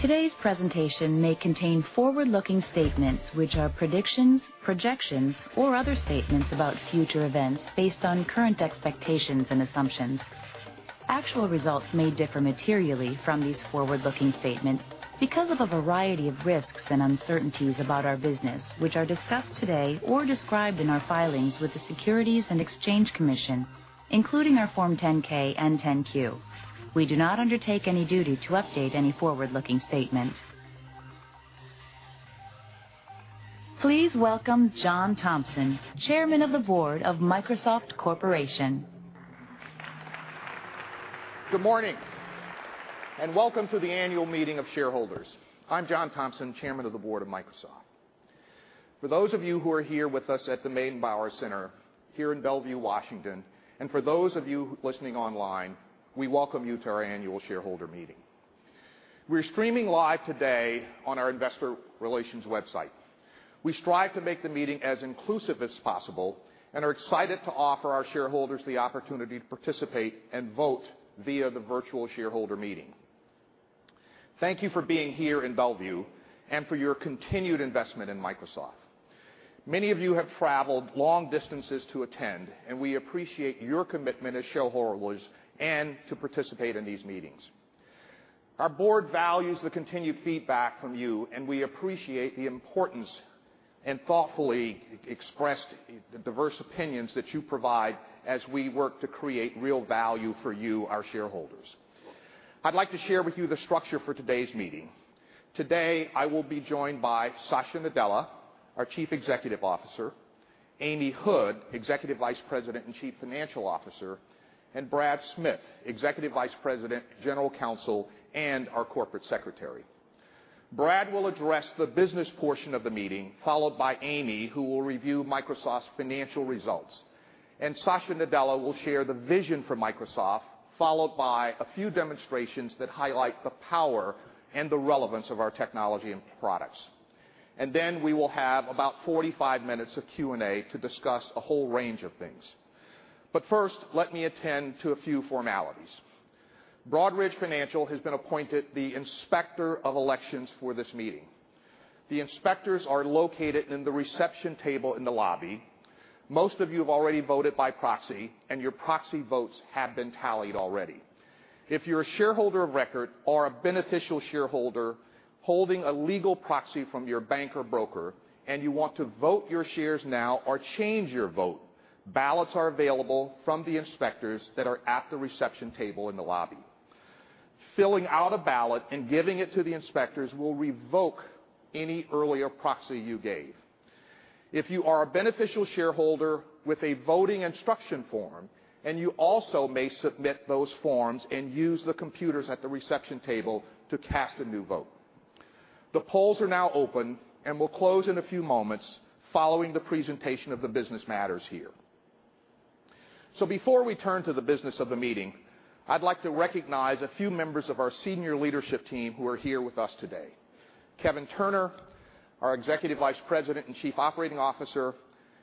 Today's presentation may contain forward-looking statements, which are predictions, projections, or other statements about future events based on current expectations and assumptions. Actual results may differ materially from these forward-looking statements because of a variety of risks and uncertainties about our business, which are discussed today or described in our filings with the Securities and Exchange Commission, including our Form 10-K and 10-Q. We do not undertake any duty to update any forward-looking statement. Please welcome John Thompson, Chairman of the Board of Microsoft Corporation. Good morning. Welcome to the annual meeting of shareholders. I'm John Thompson, Chairman of the Board of Microsoft. For those of you who are here with us at the Meydenbauer Center here in Bellevue, Washington, and for those of you listening online, we welcome you to our annual shareholder meeting. We're streaming live today on our investor relations website. We strive to make the meeting as inclusive as possible and are excited to offer our shareholders the opportunity to participate and vote via the virtual shareholder meeting. Thank you for being here in Bellevue and for your continued investment in Microsoft. Many of you have traveled long distances to attend, and we appreciate your commitment as shareholders and to participate in these meetings. Our board values the continued feedback from you. We appreciate the importance and thoughtfully expressed diverse opinions that you provide as we work to create real value for you, our shareholders. I'd like to share with you the structure for today's meeting. Today, I will be joined by Satya Nadella, our Chief Executive Officer, Amy Hood, Executive Vice President and Chief Financial Officer, and Brad Smith, Executive Vice President, General Counsel, and our Corporate Secretary. Brad will address the business portion of the meeting, followed by Amy, who will review Microsoft's financial results. Satya Nadella will share the vision for Microsoft, followed by a few demonstrations that highlight the power and the relevance of our technology and products. Then we will have about 45 minutes of Q&A to discuss a whole range of things. First, let me attend to a few formalities. Broadridge Financial has been appointed the Inspector of Elections for this meeting. The inspectors are located in the reception table in the lobby. Most of you have already voted by proxy. Your proxy votes have been tallied already. If you're a shareholder of record or a beneficial shareholder holding a legal proxy from your bank or broker, you want to vote your shares now or change your vote, ballots are available from the inspectors that are at the reception table in the lobby. Filling out a ballot and giving it to the inspectors will revoke any earlier proxy you gave. If you are a beneficial shareholder with a voting instruction form, you also may submit those forms and use the computers at the reception table to cast a new vote. The polls are now open and will close in a few moments following the presentation of the business matters here. Before we turn to the business of the meeting, I'd like to recognize a few members of our Senior Leadership Team who are here with us today. Kevin Turner, our Executive Vice President and Chief Operating Officer,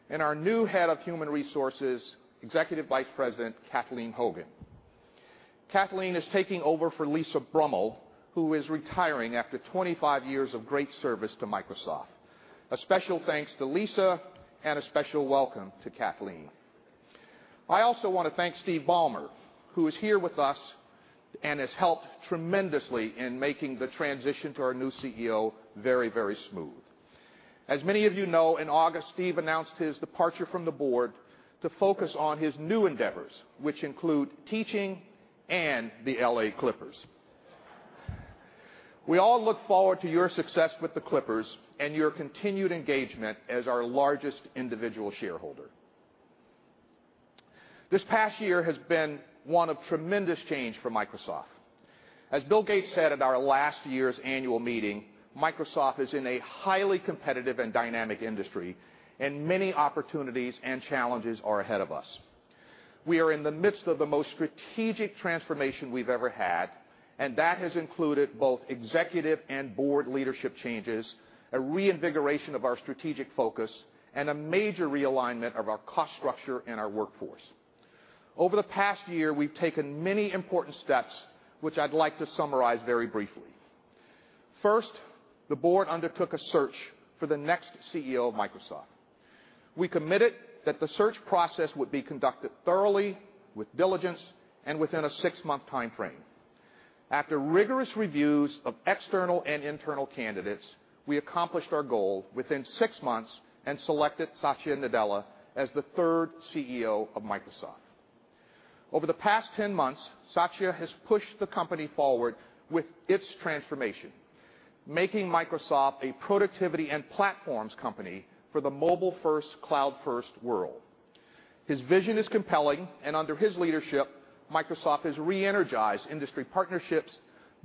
and our new head of Human Resources, Executive Vice President Kathleen Hogan. Kathleen is taking over for Lisa Brummel, who is retiring after 25 years of great service to Microsoft. A special thanks to Lisa and a special welcome to Kathleen. I also want to thank Steve Ballmer, who is here with us and has helped tremendously in making the transition to our new CEO very, very smooth. As many of you know, in August, Steve announced his departure from the board to focus on his new endeavors, which include teaching and the L.A. Clippers. We all look forward to your success with the Clippers and your continued engagement as our largest individual shareholder. This past year has been one of tremendous change for Microsoft. As Bill Gates said at our last year's annual meeting, Microsoft is in a highly competitive and dynamic industry, and many opportunities and challenges are ahead of us. We are in the midst of the most strategic transformation we've ever had, and that has included both executive and board leadership changes, a reinvigoration of our strategic focus, and a major realignment of our cost structure and our workforce. Over the past year, we've taken many important steps, which I'd like to summarize very briefly. First, the board undertook a search for the next CEO of Microsoft. We committed that the search process would be conducted thoroughly, with diligence, and within a six-month timeframe. After rigorous reviews of external and internal candidates, we accomplished our goal within six months and selected Satya Nadella as the third CEO of Microsoft. Over the past 10 months, Satya has pushed the company forward with its transformation, making Microsoft a productivity and platforms company for the mobile-first, cloud-first world. His vision is compelling, and under his leadership, Microsoft has reenergized industry partnerships,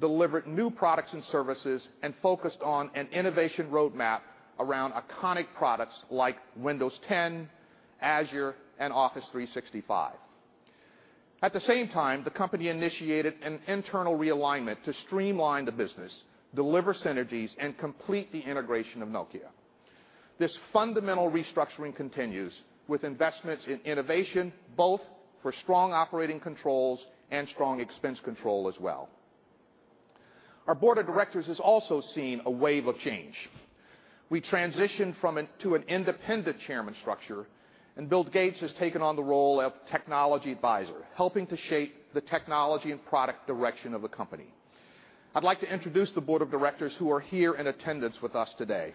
delivered new products and services, and focused on an innovation roadmap around iconic products like Windows 10, Azure, and Office 365. At the same time, the company initiated an internal realignment to streamline the business, deliver synergies, and complete the integration of Nokia. This fundamental restructuring continues with investments in innovation, both for strong operating controls and strong expense control as well. Our Board of Directors has also seen a wave of change. We transitioned to an independent Chairman structure, and Bill Gates has taken on the role of Technology Advisor, helping to shape the technology and product direction of the company. I'd like to introduce the Board of Directors who are here in attendance with us today.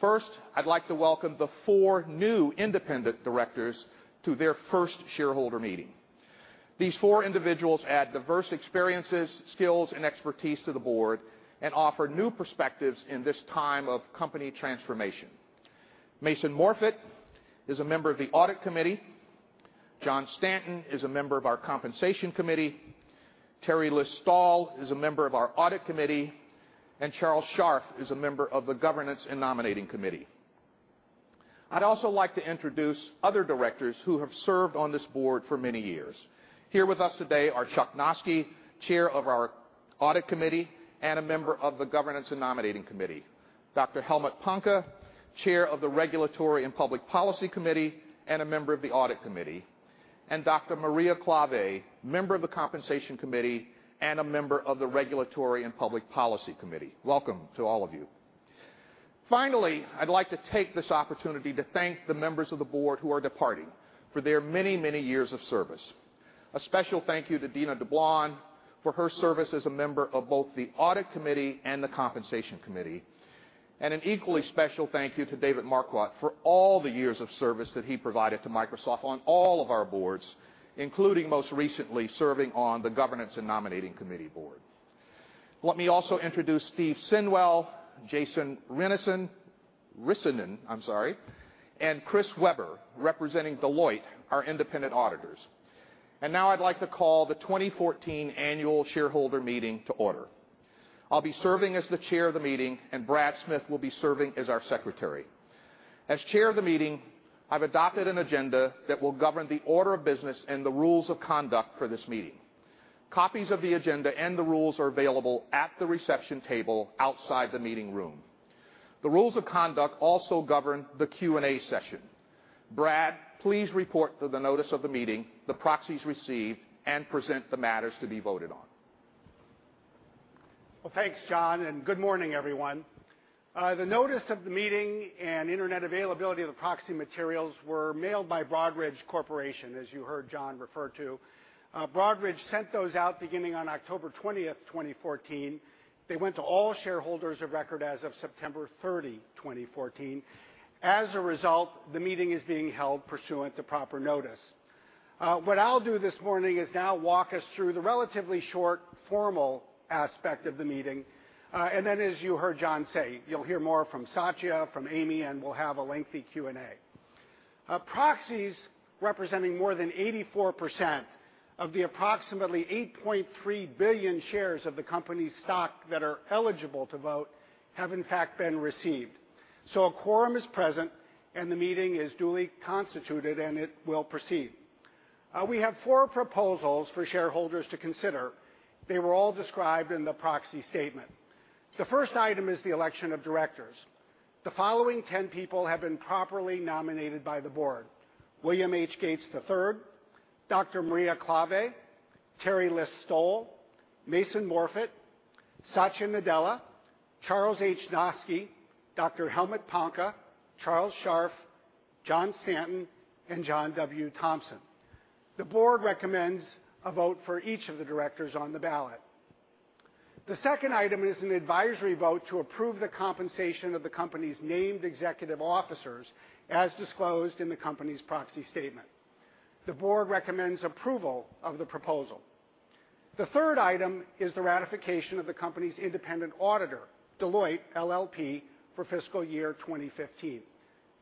First, I'd like to welcome the four new independent directors to their first shareholder meeting. These four individuals add diverse experiences, skills, and expertise to the board and offer new perspectives in this time of company transformation. Mason Morfit is a member of the Audit Committee. John Stanton is a member of our Compensation Committee. Teri List-Stoll is a member of our audit committee, and Charles Scharf is a member of the governance and nominating committee. I'd also like to introduce other directors who have served on this board for many years. Here with us today are Chuck Noski, chair of our audit committee and a member of the governance and nominating committee. Dr. Helmut Panke, chair of the regulatory and public policy committee and a member of the audit committee, and Dr. Maria Klawe, member of the compensation committee and a member of the regulatory and public policy committee. Welcome to all of you. Finally, I'd like to take this opportunity to thank the members of the board who are departing for their many years of service. A special thank you to Dina Dublon for her service as a member of both the audit committee and the compensation committee, and an equally special thank you to David Marquardt for all the years of service that he provided to Microsoft on all of our boards, including most recently serving on the governance and nominating committee board. Let me also introduce Steve Sinwell, Jason Rissanen, and Chris Weber, representing Deloitte, our independent auditors. Now I'd like to call the 2014 Annual Shareholders Meeting to order. I'll be serving as the chair of the meeting, and Brad Smith will be serving as our secretary. As chair of the meeting, I've adopted an agenda that will govern the order of business and the rules of conduct for this meeting. Copies of the agenda and the rules are available at the reception table outside the meeting room. The rules of conduct also govern the Q&A session. Brad, please report to the notice of the meeting, the proxies received, and present the matters to be voted on. Well, thanks, John, and good morning, everyone. The notice of the meeting and Internet availability of the proxy materials were mailed by Broadridge Corporation, as you heard John refer to. Broadridge sent those out beginning on October 20, 2014. They went to all shareholders of record as of September 30, 2014. As a result, the meeting is being held pursuant to proper notice. What I'll do this morning is now walk us through the relatively short formal aspect of the meeting, and then as you heard John say, you'll hear more from Satya, from Amy, and we'll have a lengthy Q&A. Proxies representing more than 84% of the approximately 8.3 billion shares of the company's stock that are eligible to vote have in fact been received. A quorum is present, and the meeting is duly constituted, and it will proceed. We have four proposals for shareholders to consider. They were all described in the proxy statement. The first item is the election of directors. The following 10 people have been properly nominated by the board. William H. Gates III, Dr. Maria Klawe, Teri List-Stoll, Mason Morfit, Satya Nadella, Charles H. Noski, Dr. Helmut Panke, Charles Scharf, John Stanton, and John W. Thompson. The board recommends a vote for each of the directors on the ballot. The second item is an advisory vote to approve the compensation of the company's named executive officers, as disclosed in the company's proxy statement. The board recommends approval of the proposal. The third item is the ratification of the company's independent auditor, Deloitte LLP, for fiscal year 2015.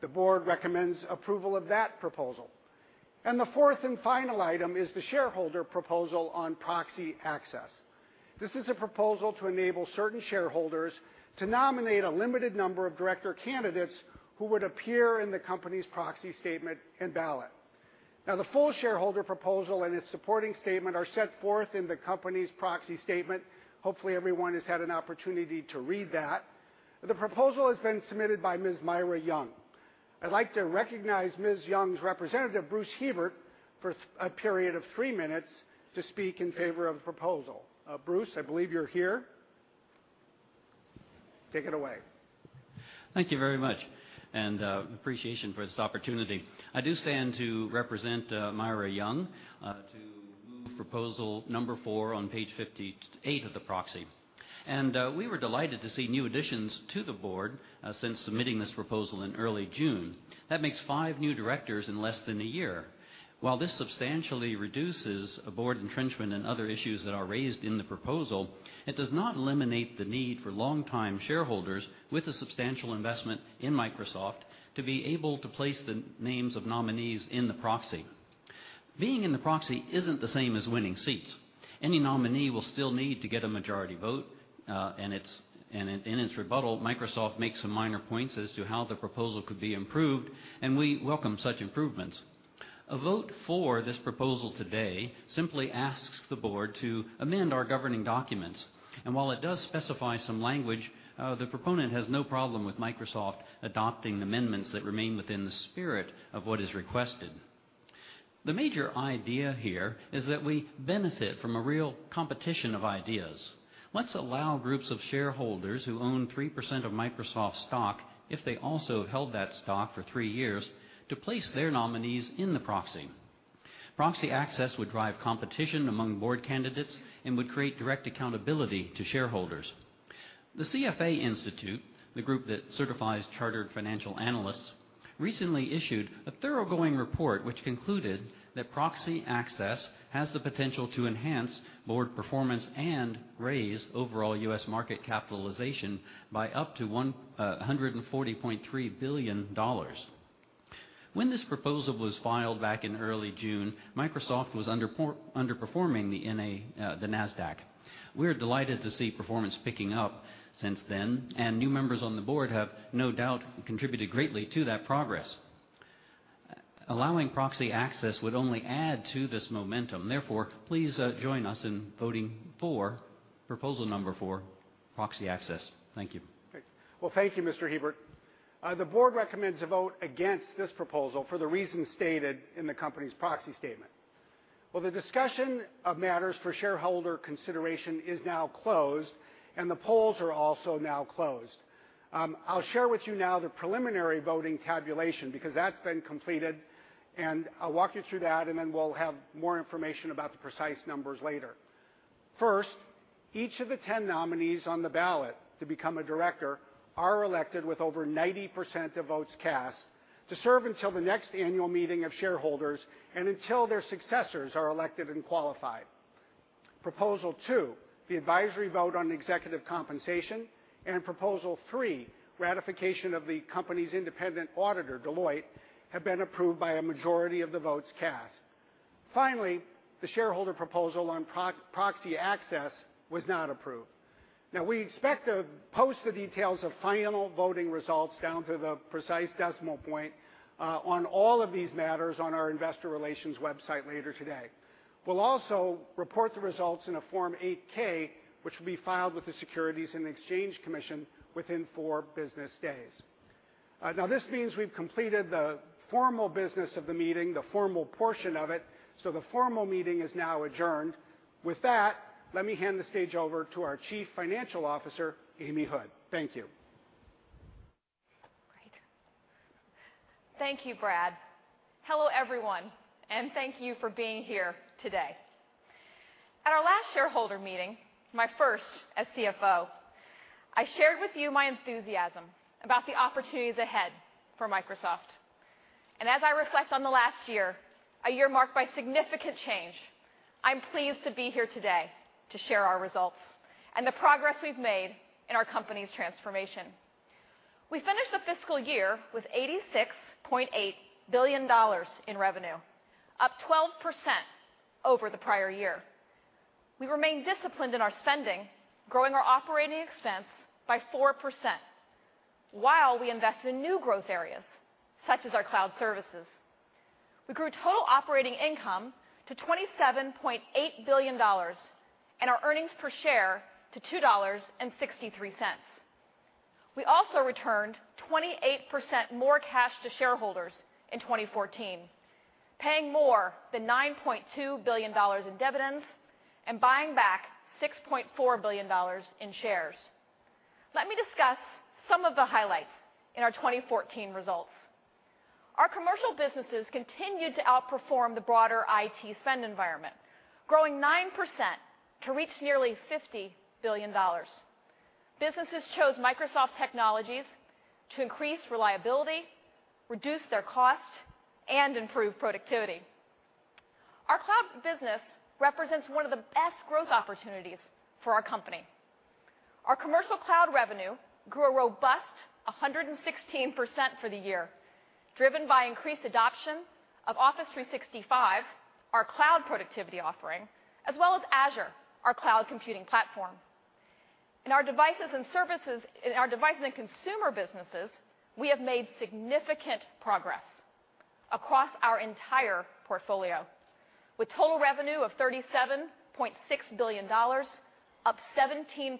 The board recommends approval of that proposal. The fourth and final item is the shareholder proposal on proxy access. This is a proposal to enable certain shareholders to nominate a limited number of director candidates who would appear in the company's proxy statement and ballot. The full shareholder proposal and its supporting statement are set forth in the company's proxy statement. Hopefully, everyone has had an opportunity to read that. The proposal has been submitted by Ms. Myra Young. I'd like to recognize Ms. Young's representative, Bruce Herbert, for a period of three minutes to speak in favor of the proposal. Bruce, I believe you're here. Take it away. Thank you very much, and appreciation for this opportunity. I do stand to represent Myra Young to move proposal number four on page 58 of the proxy. We were delighted to see new additions to the board since submitting this proposal in early June. That makes five new directors in less than a year. While this substantially reduces board entrenchment and other issues that are raised in the proposal, it does not eliminate the need for long-time shareholders with a substantial investment in Microsoft to be able to place the names of nominees in the proxy. Being in the proxy isn't the same as winning seats. Any nominee will still need to get a majority vote. In its rebuttal, Microsoft makes some minor points as to how the proposal could be improved, and we welcome such improvements. A vote for this proposal today simply asks the board to amend our governing documents. While it does specify some language, the proponent has no problem with Microsoft adopting amendments that remain within the spirit of what is requested. The major idea here is that we benefit from a real competition of ideas. Let's allow groups of shareholders who own 3% of Microsoft stock, if they also held that stock for three years, to place their nominees in the proxy. Proxy access would drive competition among board candidates and would create direct accountability to shareholders. The CFA Institute, the group that certifies chartered financial analysts, recently issued a thoroughgoing report which concluded that proxy access has the potential to enhance board performance and raise overall U.S. market capitalization by up to $140.3 billion. When this proposal was filed back in early June, Microsoft was underperforming the NASDAQ. We're delighted to see performance picking up since then, new members on the board have no doubt contributed greatly to that progress. Allowing proxy access would only add to this momentum. Therefore, please join us in voting for proposal number four, proxy access. Thank you. Great. Well, thank you, Mr. Herbert. The board recommends a vote against this proposal for the reasons stated in the company's proxy statement. Well, the discussion of matters for shareholder consideration is now closed, the polls are also now closed. I'll share with you now the preliminary voting tabulation because that's been completed, I'll walk you through that, then we'll have more information about the precise numbers later. First, each of the 10 nominees on the ballot to become a director are elected with over 90% of votes cast to serve until the next annual meeting of shareholders and until their successors are elected and qualified. Proposal two, the advisory vote on executive compensation, and proposal three, ratification of the company's independent auditor, Deloitte, have been approved by a majority of the votes cast. Finally, the shareholder proposal on proxy access was not approved. We expect to post the details of final voting results down to the precise decimal point on all of these matters on our investor relations website later today. We'll also report the results in a Form 8-K, which will be filed with the Securities and Exchange Commission within four business days. This means we've completed the formal business of the meeting, the formal portion of it, the formal meeting is now adjourned. With that, let me hand the stage over to our Chief Financial Officer, Amy Hood. Thank you. Great. Thank you, Brad. Hello, everyone, thank you for being here today. At our last shareholder meeting, my first as CFO, I shared with you my enthusiasm about the opportunities ahead for Microsoft. As I reflect on the last year, a year marked by significant change, I'm pleased to be here today to share our results and the progress we've made in our company's transformation. We finished the fiscal year with $86.8 billion in revenue, up 12% over the prior year. We remain disciplined in our spending, growing our operating expense by 4%, while we invest in new growth areas such as our cloud services. We grew total operating income to $27.8 billion and our earnings per share to $2.63. We also returned 28% more cash to shareholders in 2014, paying more than $9.2 billion in dividends and buying back $6.4 billion in shares. Let me discuss some of the highlights in our 2014 results. Our commercial businesses continued to outperform the broader IT spend environment, growing 9% to reach nearly $50 billion. Businesses chose Microsoft technologies to increase reliability, reduce their costs, and improve productivity. Our cloud business represents one of the best growth opportunities for our company. Our commercial cloud revenue grew a robust 116% for the year, driven by increased adoption of Office 365, our cloud productivity offering, as well as Azure, our cloud computing platform. In our devices and consumer businesses, we have made significant progress across our entire portfolio, with total revenue of $37.6 billion, up 17%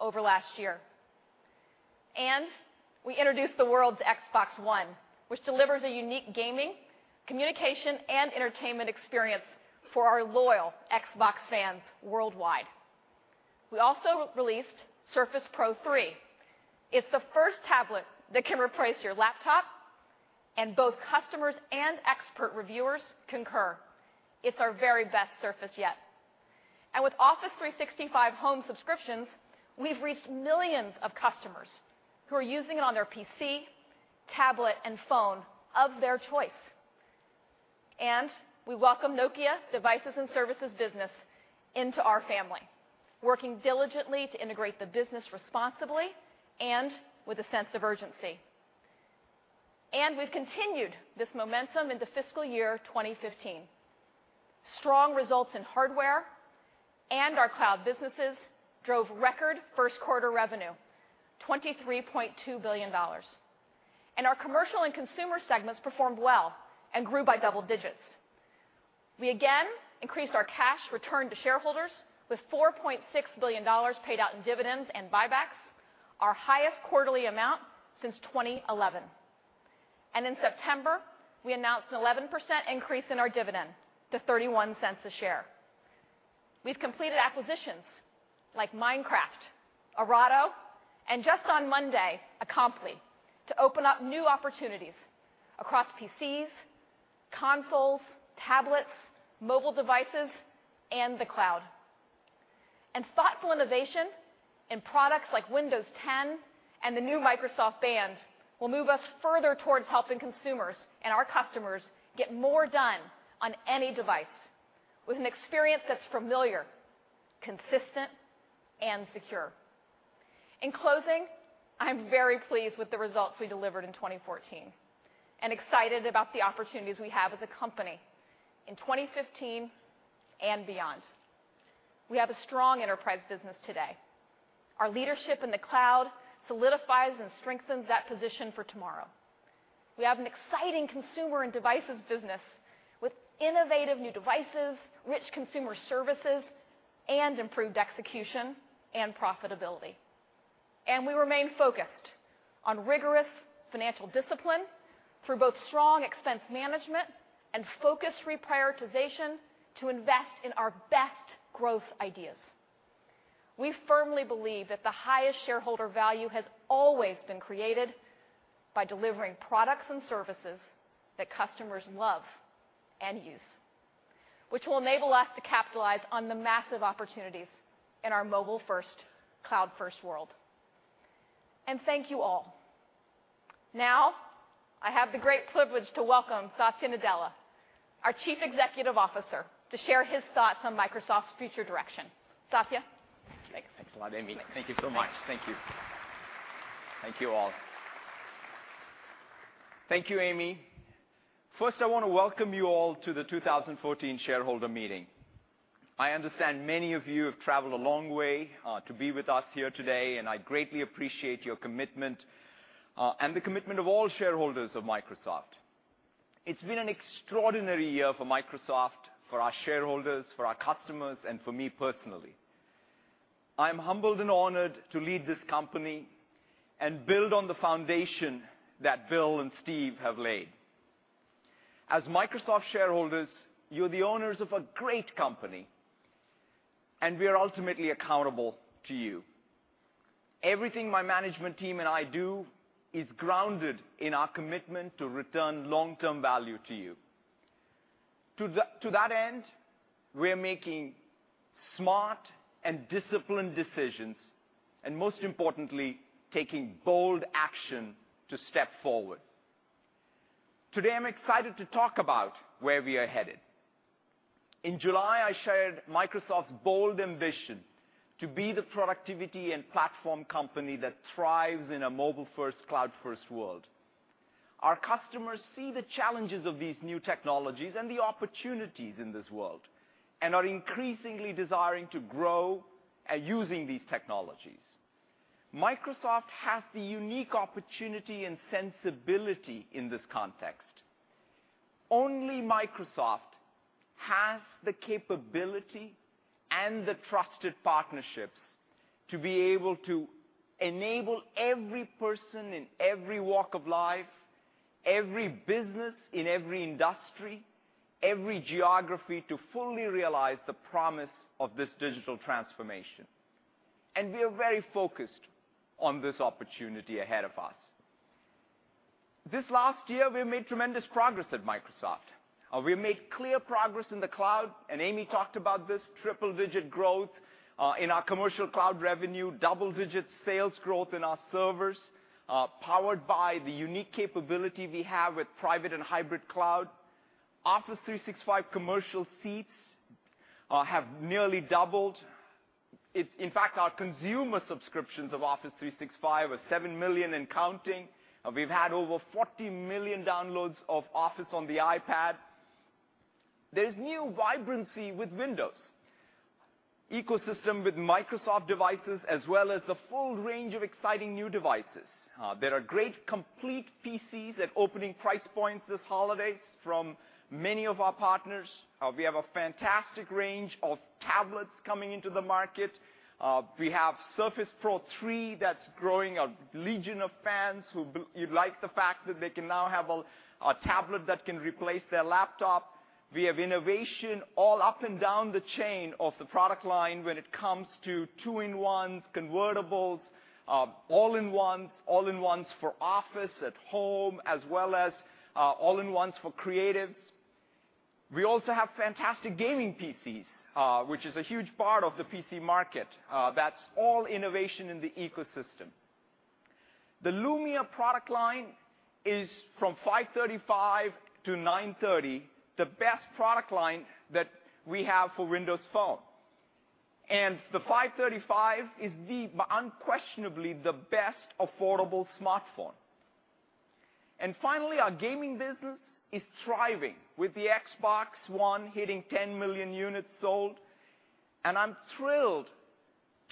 over last year. We introduced the world to Xbox One, which delivers a unique gaming, communication, and entertainment experience for our loyal Xbox fans worldwide. We also released Surface Pro 3. It's the first tablet that can replace your laptop, both customers and expert reviewers concur it's our very best Surface yet. With Office 365 Home subscriptions, we've reached millions of customers who are using it on their PC, tablet, and phone of their choice. We welcome Nokia's devices and services business into our family, working diligently to integrate the business responsibly and with a sense of urgency. We've continued this momentum into fiscal year 2015. Strong results in hardware and our cloud businesses drove record first quarter revenue, $23.2 billion. Our commercial and consumer segments performed well and grew by double digits. We again increased our cash return to shareholders with $4.6 billion paid out in dividends and buybacks, our highest quarterly amount since 2011. In September, we announced an 11% increase in our dividend to $0.31 a share. We've completed acquisitions like Minecraft, Aorato, and just on Monday, Acompli, to open up new opportunities across PCs, consoles, tablets, mobile devices, and the cloud. Thoughtful innovation in products like Windows 10 and the new Microsoft Band will move us further towards helping consumers and our customers get more done on any device with an experience that's familiar, consistent, and secure. In closing, I'm very pleased with the results we delivered in 2014 and excited about the opportunities we have as a company in 2015 and beyond. We have a strong enterprise business today. Our leadership in the cloud solidifies and strengthens that position for tomorrow. We have an exciting consumer and devices business with innovative new devices, rich consumer services, and improved execution and profitability. We remain focused on rigorous financial discipline through both strong expense management and focused reprioritization to invest in our best growth ideas. We firmly believe that the highest shareholder value has always been created by delivering products and services that customers love and use, which will enable us to capitalize on the massive opportunities in our mobile first, cloud first world. Thank you all. Now, I have the great privilege to welcome Satya Nadella, our chief executive officer, to share his thoughts on Microsoft's future direction. Satya? Thanks. Thanks a lot, Amy. Thank you so much. Thank you. Thank you all. Thank you, Amy. First, I want to welcome you all to the 2014 shareholder meeting. I understand many of you have traveled a long way to be with us here today, and I greatly appreciate your commitment and the commitment of all shareholders of Microsoft. It's been an extraordinary year for Microsoft, for our shareholders, for our customers, and for me personally. I'm humbled and honored to lead this company and build on the foundation that Bill and Steve have laid. As Microsoft shareholders, you're the owners of a great company, and we are ultimately accountable to you. Everything my management team and I do is grounded in our commitment to return long-term value to you. To that end, we're making smart and disciplined decisions. Most importantly, taking bold action to step forward. Today, I'm excited to talk about where we are headed. In July, I shared Microsoft's bold ambition to be the productivity and platform company that thrives in a mobile first, cloud first world. Our customers see the challenges of these new technologies and the opportunities in this world. Are increasingly desiring to grow at using these technologies. Microsoft has the unique opportunity and sensibility in this context. Only Microsoft has the capability and the trusted partnerships to be able to enable every person in every walk of life, every business in every industry, every geography to fully realize the promise of this digital transformation. We are very focused on this opportunity ahead of us. This last year, we have made tremendous progress at Microsoft. We made clear progress in the cloud. Amy talked about this triple-digit growth, in our commercial cloud revenue. Double-digit sales growth in our servers, powered by the unique capability we have with private and hybrid cloud. Office 365 commercial seats have nearly doubled. In fact, our consumer subscriptions of Office 365 are 7 million and counting. We've had over 40 million downloads of Office on the iPad. There's new vibrancy with Windows. Ecosystem with Microsoft devices as well as the full range of exciting new devices. There are great complete PCs at opening price points this holidays from many of our partners. We have a fantastic range of tablets coming into the market. We have Surface Pro 3 that's growing a legion of fans who like the fact that they can now have a tablet that can replace their laptop. We have innovation all up and down the chain of the product line when it comes to two-in-ones, convertibles, all-in-ones, all-in-ones for office, at home, as well as all-in-ones for creatives. We also have fantastic gaming PCs, which is a huge part of the PC market. That's all innovation in the ecosystem. The Lumia product line is from 535 to 930, the best product line that we have for Windows Phone. The 535 is unquestionably the best affordable smartphone. Finally, our gaming business is thriving with the Xbox One hitting 10 million units sold, and I'm thrilled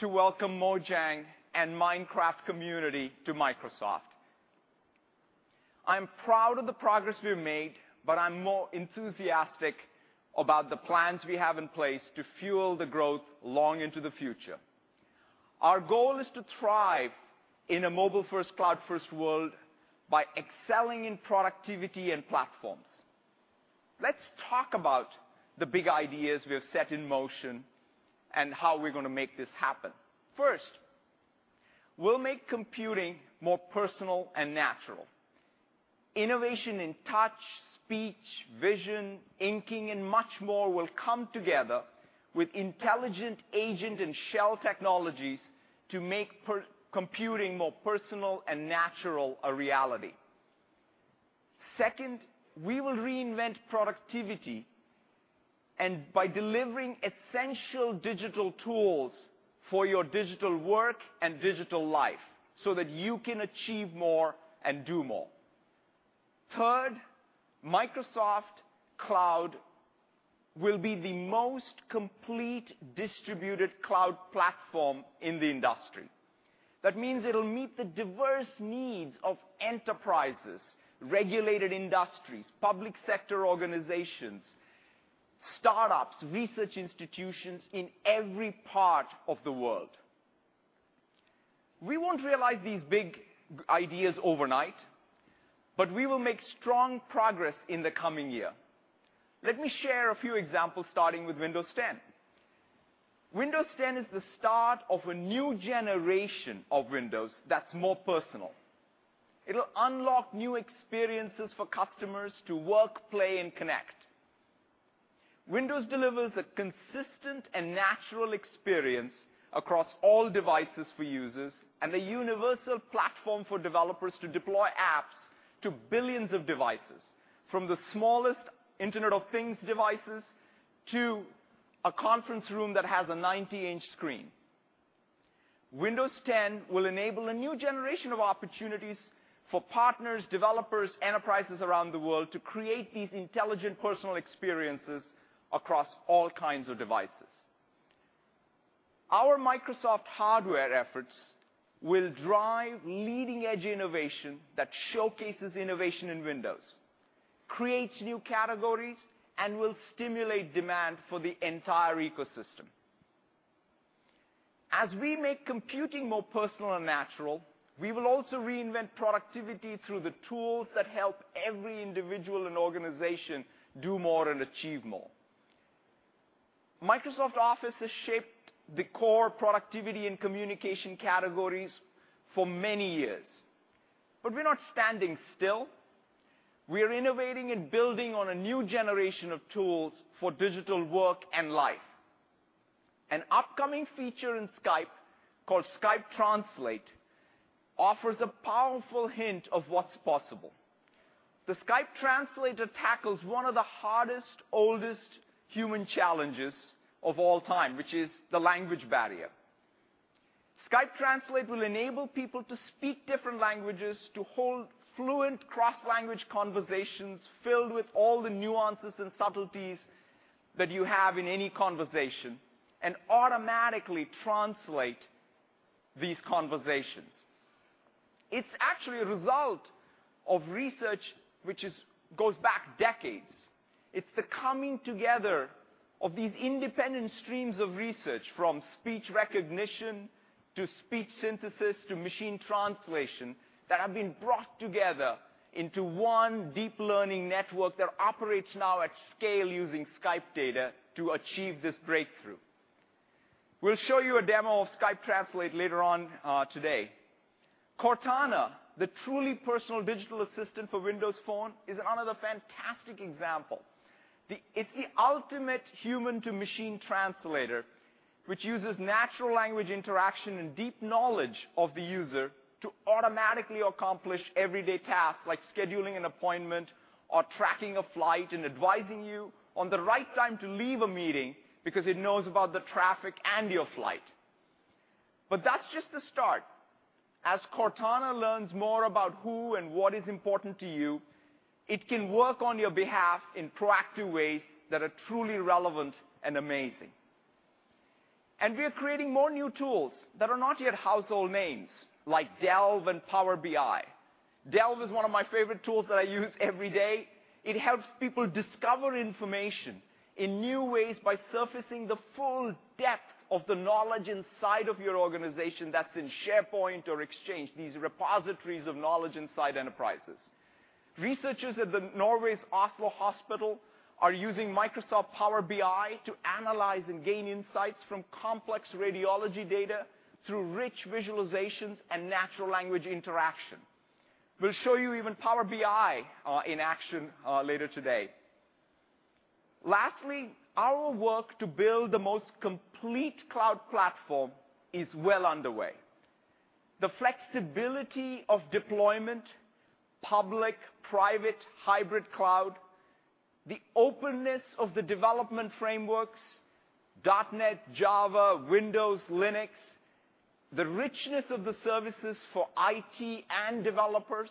to welcome Mojang and Minecraft community to Microsoft. I'm proud of the progress we've made. I'm more enthusiastic about the plans we have in place to fuel the growth long into the future. Our goal is to thrive in a mobile-first, cloud-first world by excelling in productivity and platforms. Let's talk about the big ideas we have set in motion and how we're going to make this happen. First, we'll make computing more personal and natural. Innovation in touch, speech, vision, inking, and much more will come together with intelligent agent and shell technologies to make computing more personal and natural a reality. Second, we will reinvent productivity, and by delivering essential digital tools for your digital work and digital life so that you can achieve more and do more. Third, Microsoft Cloud will be the most complete distributed cloud platform in the industry. That means it'll meet the diverse needs of enterprises, regulated industries, public sector organizations, startups, research institutions in every part of the world. We won't realize these big ideas overnight, but we will make strong progress in the coming year. Let me share a few examples, starting with Windows 10. Windows 10 is the start of a new generation of Windows that's more personal. It'll unlock new experiences for customers to work, play, and connect. Windows delivers a consistent and natural experience across all devices for users and a universal platform for developers to deploy apps to billions of devices, from the smallest Internet of Things devices to a conference room that has a 90-inch screen. Windows 10 will enable a new generation of opportunities for partners, developers, enterprises around the world to create these intelligent personal experiences across all kinds of devices. Our Microsoft hardware efforts will drive leading-edge innovation that showcases innovation in Windows, creates new categories, and will stimulate demand for the entire ecosystem. As we make computing more personal and natural, we will also reinvent productivity through the tools that help every individual and organization do more and achieve more. Microsoft Office has shaped the core productivity and communication categories for many years, but we're not standing still. We are innovating and building on a new generation of tools for digital work and life. An upcoming feature in Skype called Skype Translator offers a powerful hint of what's possible. The Skype Translator tackles one of the hardest, oldest human challenges of all time, which is the language barrier. Skype Translator will enable people to speak different languages to hold fluent cross-language conversations filled with all the nuances and subtleties that you have in any conversation and automatically translate these conversations. It's actually a result of research which goes back decades. It's the coming together of these independent streams of research, from speech recognition to speech synthesis to machine translation, that have been brought together into one deep learning network that operates now at scale using Skype data to achieve this breakthrough. We'll show you a demo of Skype Translator later on today. Cortana, the truly personal digital assistant for Windows Phone, is another fantastic example. It's the ultimate human-to-machine translator, which uses natural language interaction and deep knowledge of the user to automatically accomplish everyday tasks like scheduling an appointment or tracking a flight and advising you on the right time to leave a meeting because it knows about the traffic and your flight. That's just the start. As Cortana learns more about who and what is important to you, it can work on your behalf in proactive ways that are truly relevant and amazing. We are creating more new tools that are not yet household names, like Delve and Power BI. Delve is one of my favorite tools that I use every day. It helps people discover information in new ways by surfacing the full depth of the knowledge inside of your organization that's in SharePoint or Exchange, these repositories of knowledge inside enterprises. Researchers at Oslo University Hospital are using Microsoft Power BI to analyze and gain insights from complex radiology data through rich visualizations and natural language interaction. We'll show you even Power BI in action later today. Lastly, our work to build the most complete cloud platform is well underway. The flexibility of deployment, public, private, hybrid cloud. The openness of the development frameworks, .NET, Java, Windows, Linux, the richness of the services for IT and developers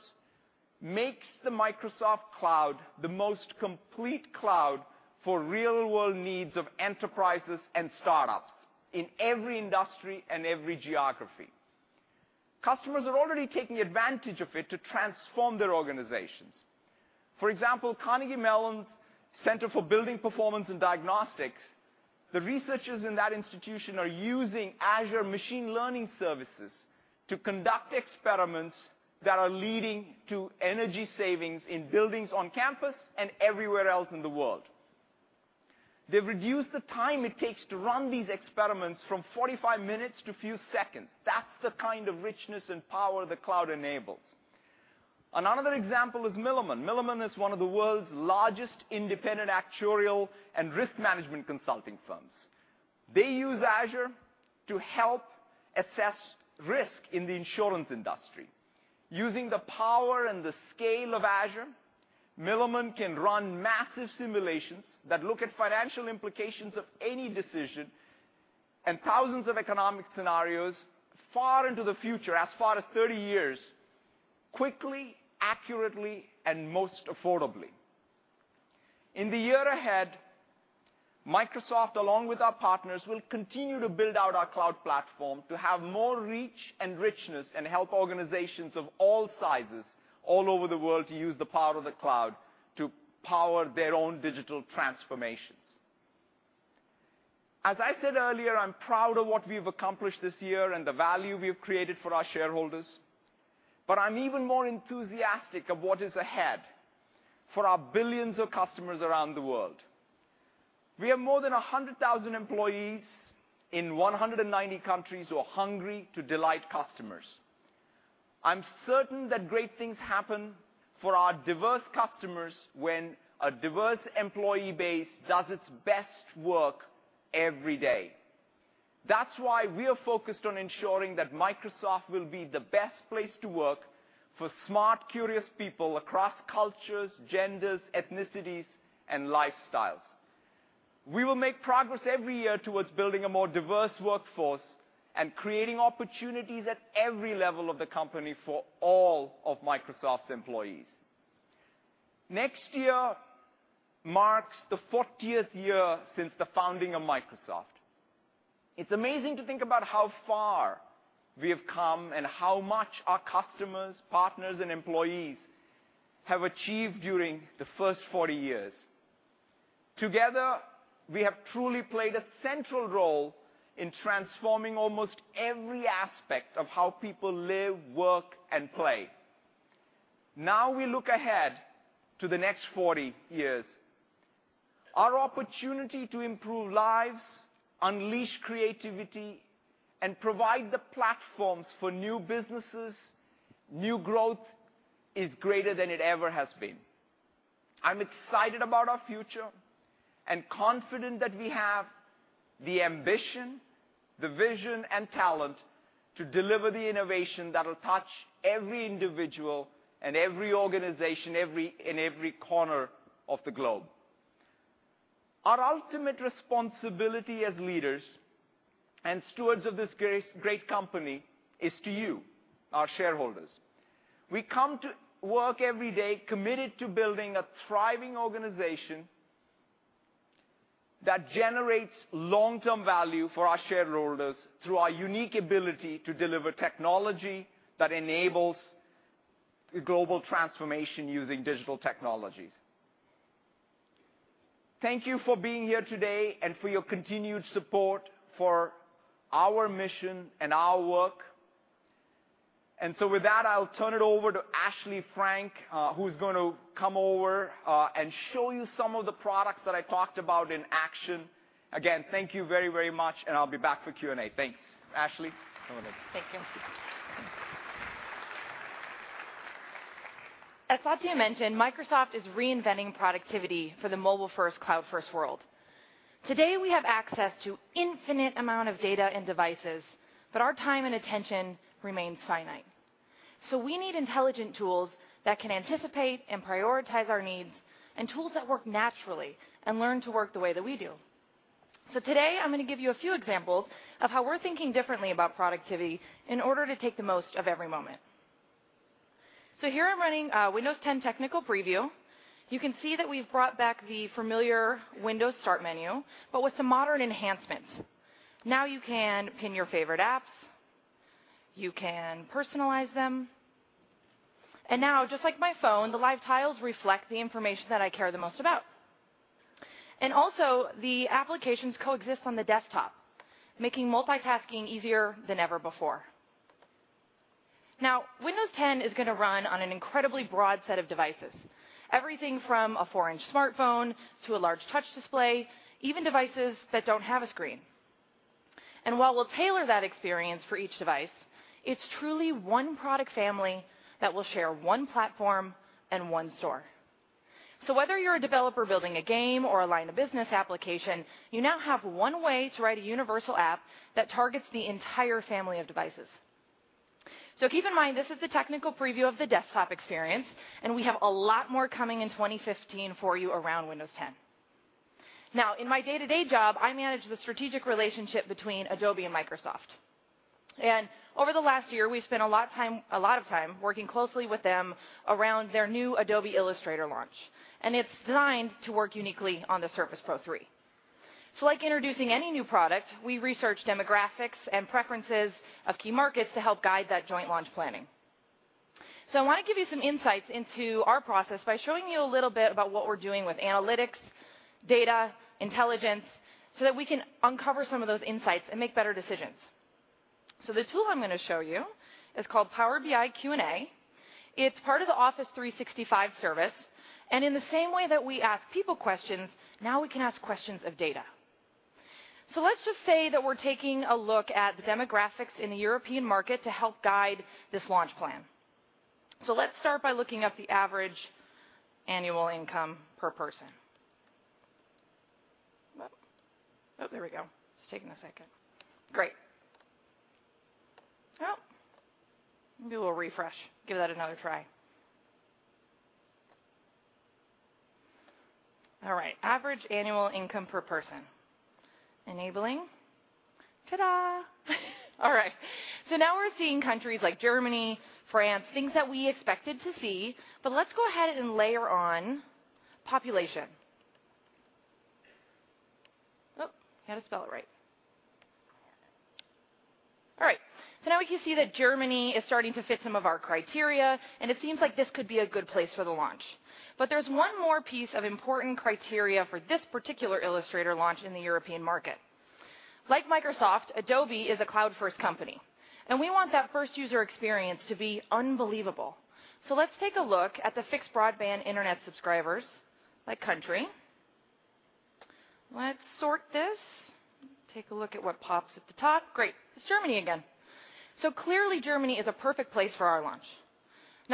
makes the Microsoft cloud the most complete cloud for real-world needs of enterprises and startups in every industry and every geography. Customers are already taking advantage of it to transform their organizations. For example, Carnegie Mellon's Center for Building Performance and Diagnostics, the researchers in that institution are using Azure Machine Learning services to conduct experiments that are leading to energy savings in buildings on campus and everywhere else in the world. They've reduced the time it takes to run these experiments from 45 minutes to a few seconds. That's the kind of richness and power the cloud enables. Another example is Milliman. Milliman is one of the world's largest independent actuarial and risk management consulting firms. They use Azure to help assess risk in the insurance industry. Using the power and the scale of Azure, Milliman can run massive simulations that look at financial implications of any decision and thousands of economic scenarios far into the future, as far as 30 years, quickly, accurately, and most affordably. In the year ahead, Microsoft, along with our partners, will continue to build out our cloud platform to have more reach and richness and help organizations of all sizes all over the world to use the power of the cloud to power their own digital transformations. I'm even more enthusiastic of what is ahead for our billions of customers around the world. We have more than 100,000 employees in 190 countries who are hungry to delight customers. I'm certain that great things happen for our diverse customers when a diverse employee base does its best work every day. That's why we're focused on ensuring that Microsoft will be the best place to work for smart, curious people across cultures, genders, ethnicities, and lifestyles. We will make progress every year towards building a more diverse workforce and creating opportunities at every level of the company for all of Microsoft's employees. Next year marks the 40th year since the founding of Microsoft. It's amazing to think about how far we have come and how much our customers, partners, and employees have achieved during the first 40 years. Together, we have truly played a central role in transforming almost every aspect of how people live, work, and play. Now we look ahead to the next 40 years. Our opportunity to improve lives, unleash creativity, and provide the platforms for new businesses, new growth, is greater than it ever has been. I'm excited about our future and confident that we have the ambition, the vision, and talent to deliver the innovation that'll touch every individual and every organization in every corner of the globe. Our ultimate responsibility as leaders and stewards of this great company is to you, our shareholders. We come to work every day committed to building a thriving organization that generates long-term value for our shareholders through our unique ability to deliver technology that enables global transformation using digital technologies. Thank you for being here today and for your continued support for our mission and our work. With that, I'll turn it over to Ashley Frank, who's going to come over and show you some of the products that I talked about in action. Again, thank you very, very much, and I'll be back for Q&A. Thanks. Ashley, over to you. Thank you. As Satya mentioned, Microsoft is reinventing productivity for the mobile-first, cloud-first world. Today, we have access to infinite amount of data and devices, but our time and attention remains finite. We need intelligent tools that can anticipate and prioritize our needs and tools that work naturally and learn to work the way that we do. Today, I'm going to give you a few examples of how we're thinking differently about productivity in order to take the most of every moment. Here I'm running Windows 10 Technical Preview. You can see that we've brought back the familiar Windows start menu, but with some modern enhancements. Now you can pin your favorite apps, you can personalize them, and now, just like my phone, the live tiles reflect the information that I care the most about. Also, the applications coexist on the desktop, making multitasking easier than ever before. Windows 10 is going to run on an incredibly broad set of devices. Everything from a 4-inch smartphone to a large touch display, even devices that don't have a screen. While we'll tailor that experience for each device, it's truly one product family that will share one platform and one store. Whether you're a developer building a game or a line-of-business application, you now have one way to write a universal app that targets the entire family of devices. Keep in mind, this is the technical preview of the desktop experience, and we have a lot more coming in 2015 for you around Windows 10. In my day-to-day job, I manage the strategic relationship between Adobe and Microsoft. Over the last year, we've spent a lot of time working closely with them around their new Adobe Illustrator launch, and it's designed to work uniquely on the Surface Pro 3. Like introducing any new product, we research demographics and preferences of key markets to help guide that joint launch planning. I want to give you some insights into our process by showing you a little bit about what we're doing with analytics, data, intelligence, so that we can uncover some of those insights and make better decisions. The tool I'm going to show you is called Power BI Q&A. It's part of the Office 365 service, and in the same way that we ask people questions, now we can ask questions of data. Let's just say that we're taking a look at the demographics in the European market to help guide this launch plan. Let's start by looking up the average annual income per person. There we go. It's taking a second. Great. Well, do a little refresh, give that another try. All right. Average annual income per person. Enabling. Ta-da. All right. Now we're seeing countries like Germany, France, things that we expected to see, but let's go ahead and layer on population. Got to spell it right. All right. Now we can see that Germany is starting to fit some of our criteria, and it seems like this could be a good place for the launch. There's one more piece of important criteria for this particular Illustrator launch in the European market. Like Microsoft, Adobe is a cloud-first company, and we want that first user experience to be unbelievable. Let's take a look at the fixed broadband internet subscribers by country. Let's sort this. Take a look at what pops at the top. Great. It's Germany again. Clearly, Germany is a perfect place for our launch.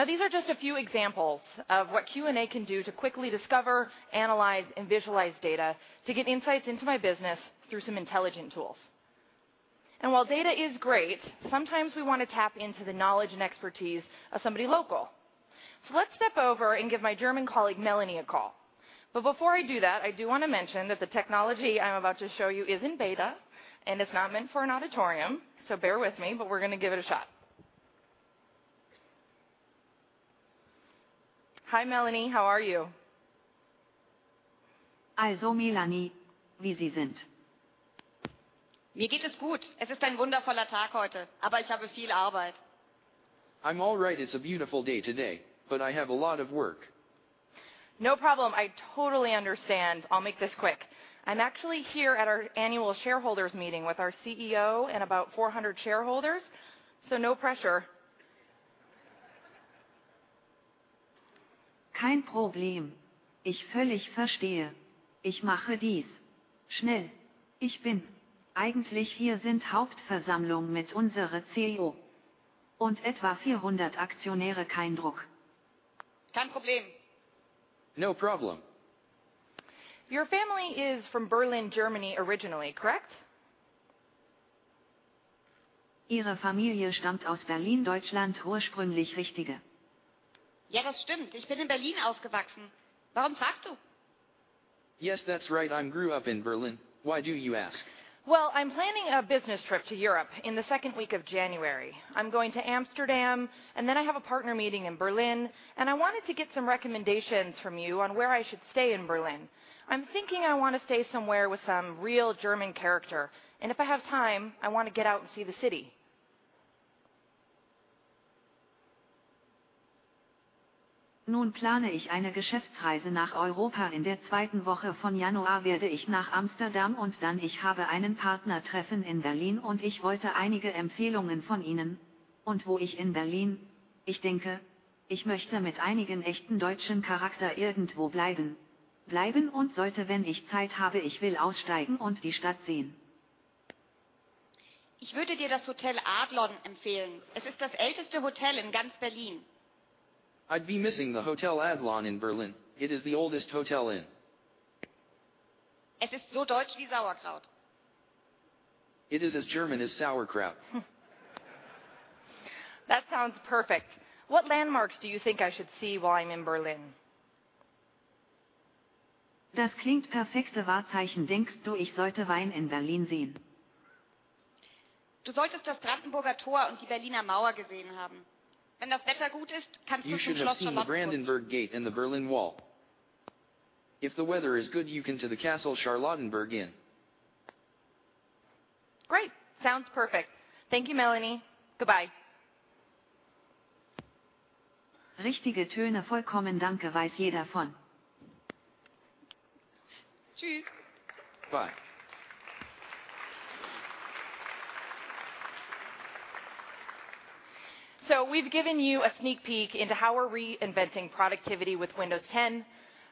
These are just a few examples of what Q&A can do to quickly discover, analyze, and visualize data to get insights into my business through some intelligent tools. While data is great, sometimes we want to tap into the knowledge and expertise of somebody local. Let's step over and give my German colleague, Melanie, a call. Before I do that, I do want to mention that the technology I'm about to show you is in beta and it's not meant for an auditorium, so bear with me, but we're going to give it a shot. Hi, Melanie. How are you? I'm all right. It's a beautiful day today, I have a lot of work. No problem. I totally understand. I'll make this quick. I'm actually here at our Annual Shareholders Meeting with our CEO and about 400 shareholders. No pressure. No problem. Your family is from Berlin, Germany originally, correct? Yes, that's right. I grew up in Berlin. Why do you ask? I'm planning a business trip to Europe in the second week of January. I'm going to Amsterdam. I have a partner meeting in Berlin. I wanted to get some recommendations from you on where I should stay in Berlin. I'm thinking I want to stay somewhere with some real German character. If I have time, I want to get out and see the city. Great. Sounds perfect. Thank you, Melanie. Goodbye. Bye. We've given you a sneak peek into how we're reinventing productivity with Windows 10,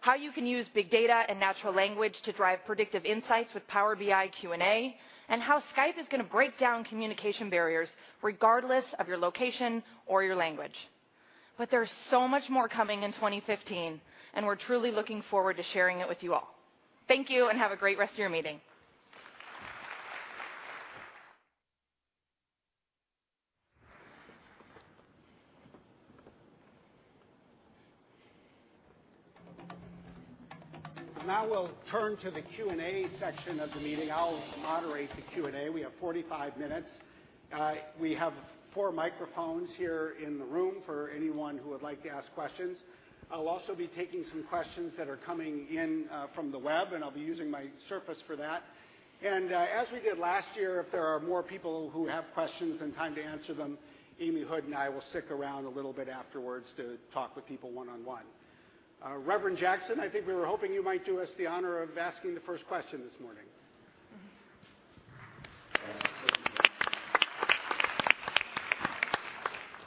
how you can use big data and natural language to drive predictive insights with Power BI Q&A, and how Skype is going to break down communication barriers regardless of your location or your language. There's so much more coming in 2015, and we're truly looking forward to sharing it with you all. Thank you, and have a great rest of your meeting. Now we'll turn to the Q&A section of the meeting. I'll moderate the Q&A. We have 45 minutes. We have four microphones here in the room for anyone who would like to ask questions. I'll also be taking some questions that are coming in from the web. I'll be using my Surface for that. As we did last year, if there are more people who have questions than time to answer them, Amy Hood and I will stick around a little bit afterwards to talk with people one-on-one. Jesse Jackson, I think we were hoping you might do us the honor of asking the first question this morning.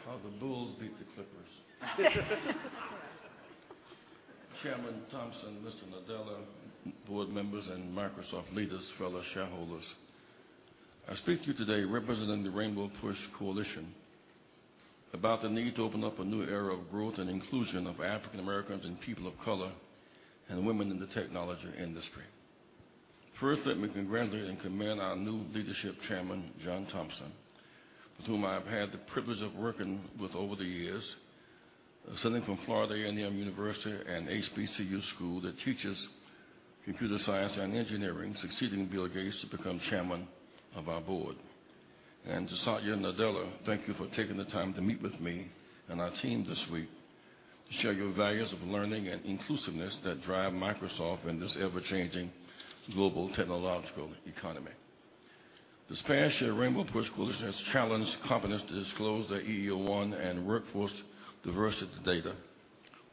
How the Bulls beat the Clippers. Chairman Thompson, Mr. Nadella, board members, Microsoft leaders, fellow shareholders. I speak to you today representing the Rainbow PUSH Coalition about the need to open up a new era of growth and inclusion of African Americans and people of color and women in the technology industry. First, let me congratulate and commend our new leadership chairman, John Thompson, with whom I have had the privilege of working with over the years. Ascending from Florida A&M University, an HBCU school that teaches computer science and engineering, succeeding Bill Gates to become chairman of our board. To Satya Nadella, thank you for taking the time to meet with me and our team this week to share your values of learning and inclusiveness that drive Microsoft in this ever-changing global technological economy. This past year, Rainbow PUSH Coalition has challenged companies to disclose their EEO-1 and workforce diversity data.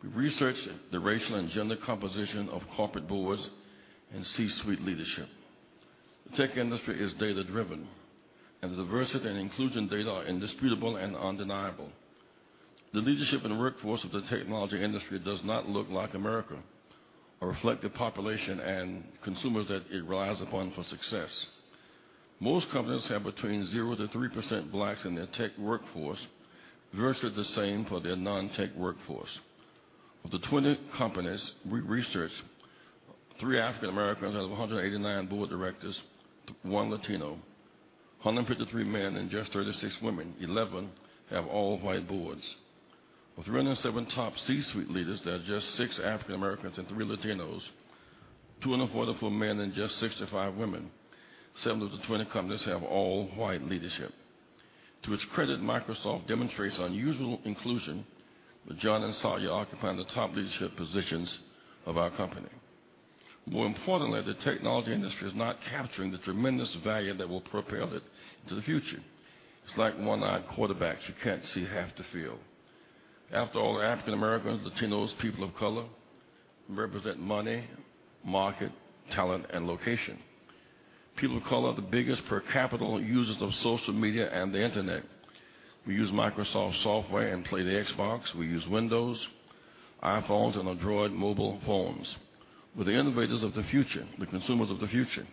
We researched the racial and gender composition of corporate boards and C-suite leadership. The tech industry is data-driven, the diversity and inclusion data are indisputable and undeniable. The leadership and workforce of the technology industry does not look like America or reflect the population and consumers that it relies upon for success. Most companies have between 0%-3% Blacks in their tech workforce, virtually the same for their non-tech workforce. Of the 20 companies we researched, three African Americans out of 189 board of directors, one Latino, 153 men and just 36 women. 11 have all-white boards. Of 307 top C-suite leaders, there are just six African Americans and three Latinos, 244 men and just 65 women. Seven of the 20 companies have all-white leadership. To its credit, Microsoft demonstrates unusual inclusion with John and Satya occupying the top leadership positions of our company. More importantly, the technology industry is not capturing the tremendous value that will propel it into the future. It's like a one-eyed quarterback, you can't see half the field. After all, African Americans, Latinos, people of color represent money, market, talent, and location. People of color are the biggest per capital users of social media and the internet. We use Microsoft software and play the Xbox. We use Windows, iPhones, and Android mobile phones. We're the innovators of the future, the consumers of the future.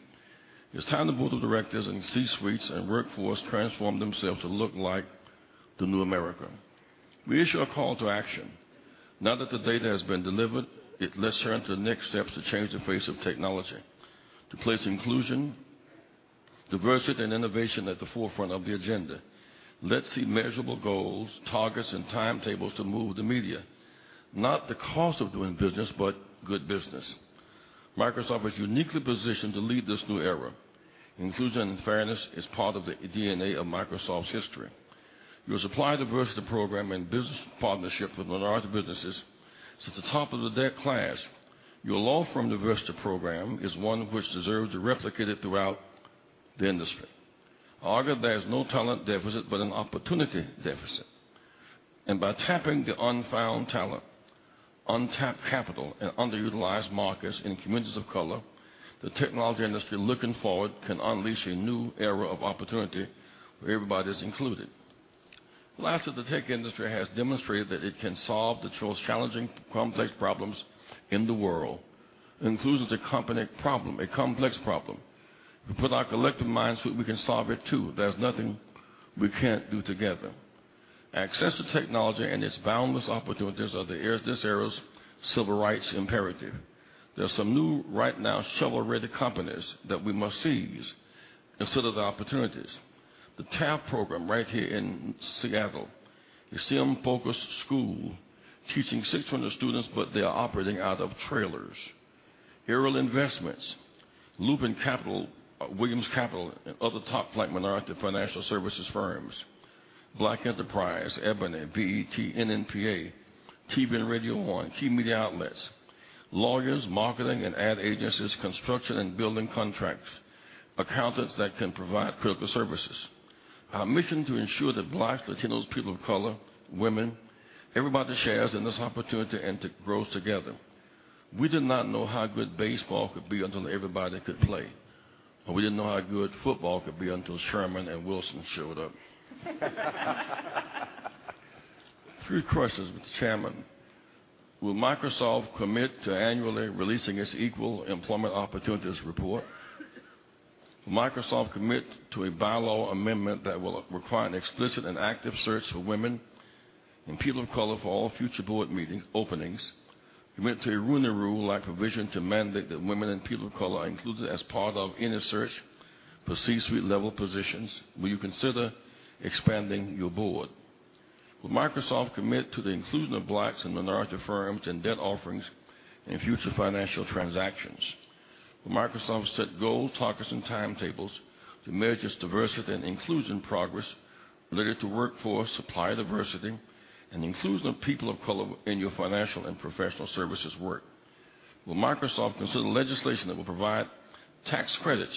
It's time the board of directors and C-suites and workforce transform themselves to look like the new America. We issue a call to action. Now that the data has been delivered, let's turn to the next steps to change the face of technology. To place inclusion, diversity, and innovation at the forefront of the agenda. Let's see measurable goals, targets, and timetables to move the media, not the cost of doing business, but good business. Microsoft is uniquely positioned to lead this new era. Inclusion and fairness is part of the DNA of Microsoft's history. Your supplier diversity program and business partnership with minority businesses is at the top of their class. Your law firm diversity program is one which deserves to be replicated throughout the industry. We argue there is no talent deficit but an opportunity deficit. And by tapping the unfound talent, untapped capital, and underutilized markets in communities of color, the technology industry, looking forward, can unleash a new era of opportunity where everybody's included. Lastly, the tech industry has demonstrated that it can solve the most challenging, complex problems in the world. Inclusion is a complex problem. If we put our collective minds to it, we can solve it too. There's nothing we can't do together. Access to technology and its boundless opportunities are this era's civil rights imperative. There's some new, right now, shovel-ready companies that we must seize instead of the opportunities,. The TEALS program right here in Seattle, a STEM-focused school teaching 600 students, but they are operating out of trailers. Our mission to ensure that Blacks, Latinos, people of color, women, everybody shares in this opportunity and it grows together. We did not know how good baseball could be until everybody could play. We didn't know how good football could be until Sherman and Wilson showed up. Three questions, Mr. Chairman. Will Microsoft commit to annually releasing its Equal Employment Opportunities Report? Will Microsoft commit to a bylaw amendment that will require an explicit and active search for women and people of color for all future board meetings openings? Commit to a Rooney Rule-like provision to mandate that women and people of color are included as part of any search for C-suite level positions. Will you consider expanding your board? Will Microsoft commit to the inclusion of Blacks and minority firms in debt offerings in future financial transactions? Will Microsoft set goals, targets, and timetables to measure its diversity and inclusion progress related to workforce, supplier diversity, and inclusion of people of color in your financial and professional services work? Will Microsoft consider legislation that will provide tax credits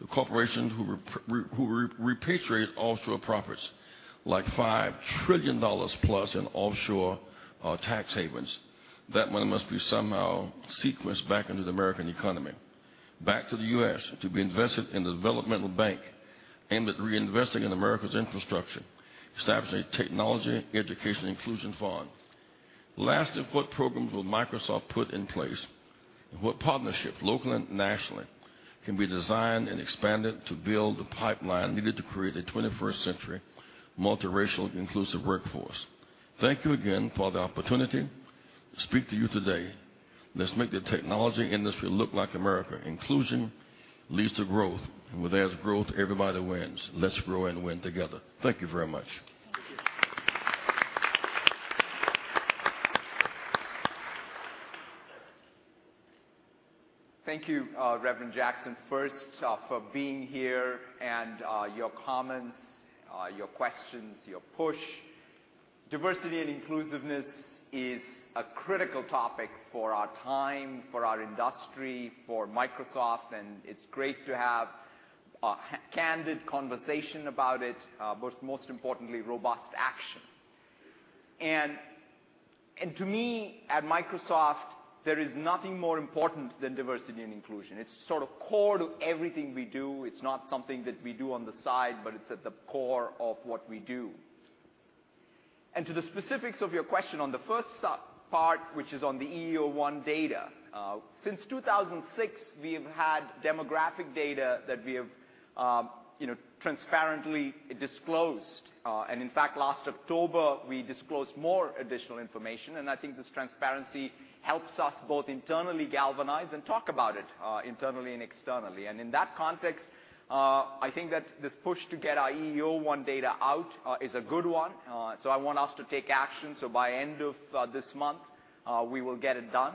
to corporations who repatriate offshore profits, like $5 trillion plus in offshore tax havens? That money must be somehow sequenced back into the American economy, back to the U.S., to be invested in the developmental bank aimed at reinvesting in America's infrastructure, establishing a technology education inclusion fund. Lastly, what programs will Microsoft put in place, and what partnerships, local and nationally, can be designed and expanded to build the pipeline needed to create a 21st century multiracial, inclusive workforce? Thank you again for the opportunity to speak to you today. Let's make the technology industry look like America. Inclusion leads to growth, and where there's growth, everybody wins. Let's grow and win together. Thank you very much. Thank you. Thank you, Jesse Jackson, first for being here and your comments, your questions, your push. Diversity and inclusiveness is a critical topic for our time, for our industry, for Microsoft, and it's great to have a candid conversation about it, but most importantly, robust action. To me, at Microsoft, there is nothing more important than diversity and inclusion. It's sort of core to everything we do. It's not something that we do on the side, but it's at the core of what we do. To the specifics of your question on the first part, which is on the EEO-1 data. Since 2006, we've had demographic data that we have transparently disclosed. In fact, last October, we disclosed more additional information, and I think this transparency helps us both internally galvanize and talk about it internally and externally. In that context, I think that this push to get our EEO-1 data out is a good one. I want us to take action, so by end of this month, we will get it done.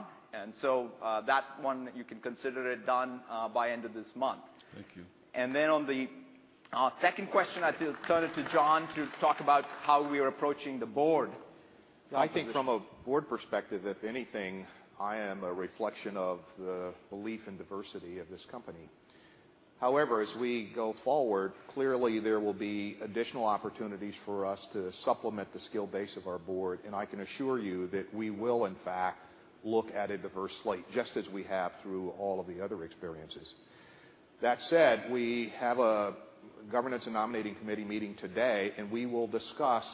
That one, you can consider it done by end of this month. Thank you. On the second question I turn it to John to talk about how we are approaching the board. I think from a board perspective, if anything, I am a reflection of the belief in diversity of this company. However, as we go forward, clearly there will be additional opportunities for us to supplement the skill base of our board, and I can assure you that we will, in fact, look at a diverse slate, just as we have through all of the other experiences. That said, we have a governance and nominating committee meeting today, and we will discuss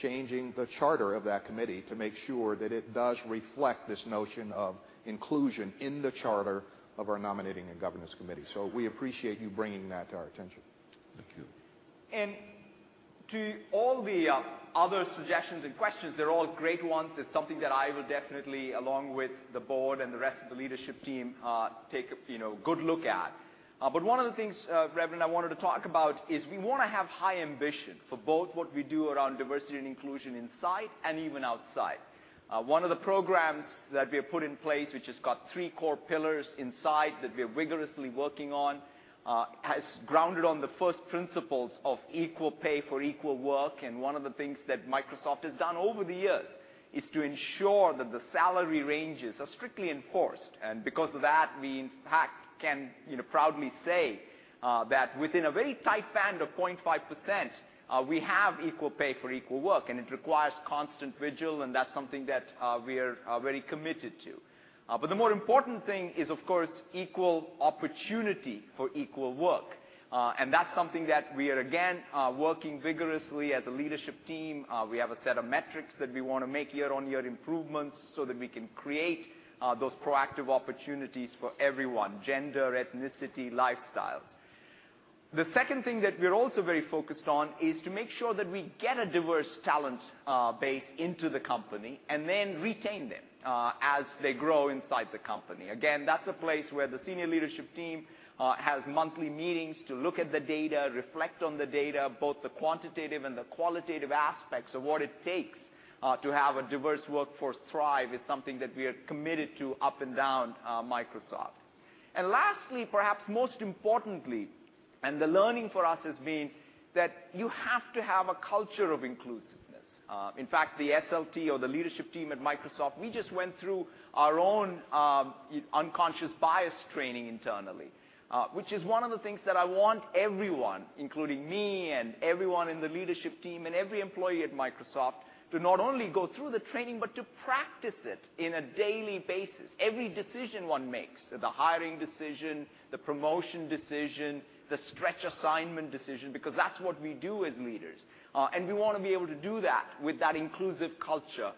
changing the charter of that committee to make sure that it does reflect this notion of inclusion in the charter of our nominating and governance committee. We appreciate you bringing that to our attention. Thank you. To all the other suggestions and questions, they're all great ones. It's something that I will definitely, along with the board and the rest of the leadership team, take a good look at. One of the things, Reverend, I wanted to talk about is we want to have high ambition for both what we do around diversity and inclusion inside and even outside. One of the programs that we have put in place, which has got three core pillars inside that we're vigorously working on, has grounded on the first principles of equal pay for equal work. One of the things that Microsoft has done over the years is to ensure that the salary ranges are strictly enforced. Because of that, we, in fact, can proudly say that within a very tight band of 0.5%, we have equal pay for equal work, and it requires constant vigil, and that's something that we're very committed to. The more important thing is, of course, equal opportunity for equal work. That's something that we are, again, working vigorously as a leadership team. We have a set of metrics that we want to make year-on-year improvements so that we can create those proactive opportunities for everyone, gender, ethnicity, lifestyles. The second thing that we're also very focused on is to make sure that we get a diverse talent base into the company and then retain them as they grow inside the company. Again, that's a place where the senior leadership team has monthly meetings to look at the data, reflect on the data, both the quantitative and the qualitative aspects of what it takes to have a diverse workforce thrive is something that we are committed to up and down Microsoft. Lastly, perhaps most importantly, and the learning for us has been that you have to have a culture of inclusiveness. In fact, the SLT or the leadership team at Microsoft, we just went through our own unconscious bias training internally, which is one of the things that I want everyone, including me and everyone in the leadership team and every employee at Microsoft, to not only go through the training, but to practice it in a daily basis. Every decision one makes, the hiring decision, the promotion decision, the stretch assignment decision, because that's what we do as leaders. We want to be able to do that with that inclusive culture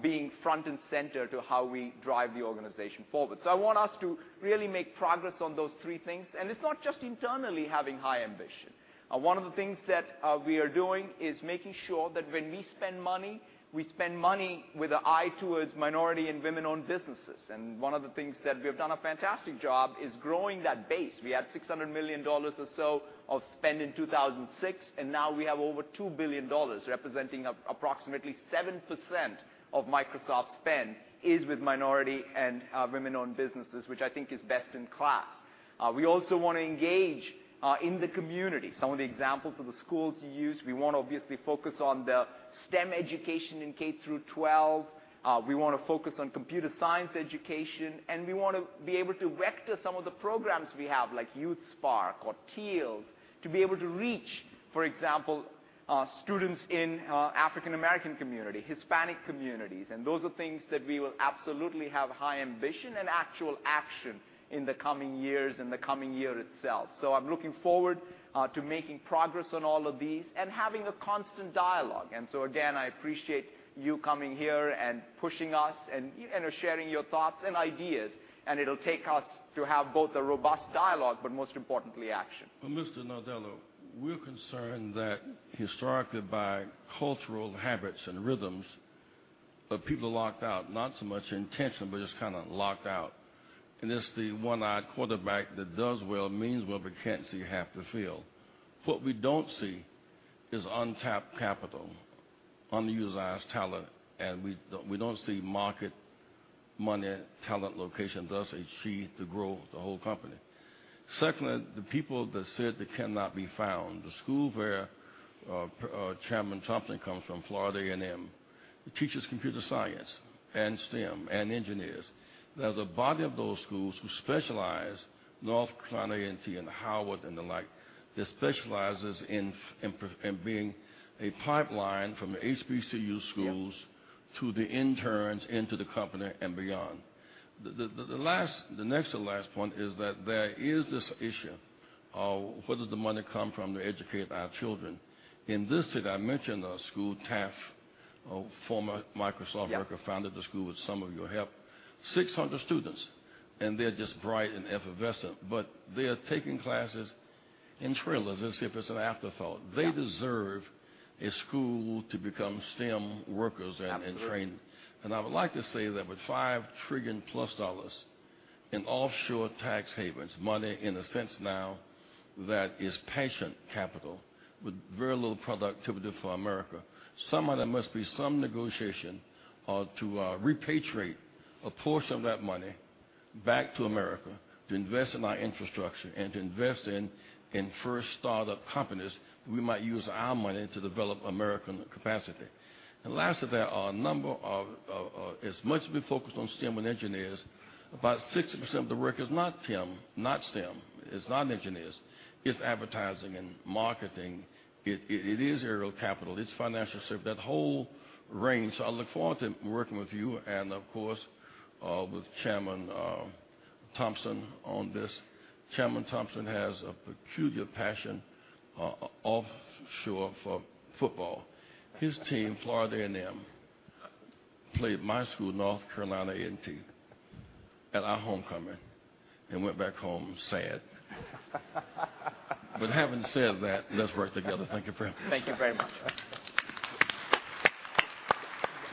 being front and center to how we drive the organization forward. I want us to really make progress on those three things, it's not just internally having high ambition. One of the things that we are doing is making sure that when we spend money, we spend money with an eye towards minority and women-owned businesses. One of the things that we have done a fantastic job is growing that base. We had $600 million or so of spend in 2006, now we have over $2 billion, representing approximately 7% of Microsoft spend is with minority and women-owned businesses, which I think is best in class. We also want to engage in the community. Some of the examples are the schools you used. We want to obviously focus on the STEM education in K through 12. We want to focus on computer science education, we want to be able to vector some of the programs we have, like YouthSpark or TEALS, to be able to reach, for example, students in African American community, Hispanic communities. Those are things that we will absolutely have high ambition and actual action in the coming years and the coming year itself. I'm looking forward to making progress on all of these and having a constant dialogue. Again, I appreciate you coming here and pushing us and sharing your thoughts and ideas. It'll take us to have both a robust dialogue, but most importantly, action. Well, Mr. Nadella, we're concerned that historically by cultural habits and rhythms of people locked out, not so much intention, but just kind of locked out. It's the one-eyed quarterback that does well, means well, but can't see half the field. What we don't see is untapped capital, unutilized talent, we don't see market money talent location thus achieve the growth of the whole company. Secondly, the people that said they cannot be found, the school where Chairman Thompson comes from, Florida A&M, it teaches computer science and STEM and engineers. There's a body of those schools who specialize, North Carolina A&T and Howard and the like, that specializes in being a pipeline from the HBCU schools to the interns into the company and beyond. The next to last point is that there is this issue of where does the money come from to educate our children? In this city, I mentioned a school, TAF, a former Microsoft worker Yeah founded the school with some of your help. 600 students, and they're just bright and effervescent, but they're taking classes in trailers as if it's an afterthought. Yeah. They deserve a school to become STEM workers and trained. Absolutely. I would like to say that with $5 trillion plus in offshore tax havens, money in a sense now that is patient capital with very little productivity for America. Some of that must be some negotiation to repatriate a portion of that money back to America to invest in our infrastructure and to invest in first startup companies. We might use our money to develop American capacity. Lastly, there are a number of, as much as we focus on STEM and engineers, about 60% of the work is not STEM. It's not engineers. It's advertising and marketing. It is Ariel Investments. It's financial service. That whole range. I look forward to working with you and of course, with Chairman Thompson on this. Chairman Thompson has a peculiar passion offshore for football. His team, Florida A&M, played my school, North Carolina A&T, at our homecoming and went back home sad. Having said that, let's work together. Thank you for having me. Thank you very much.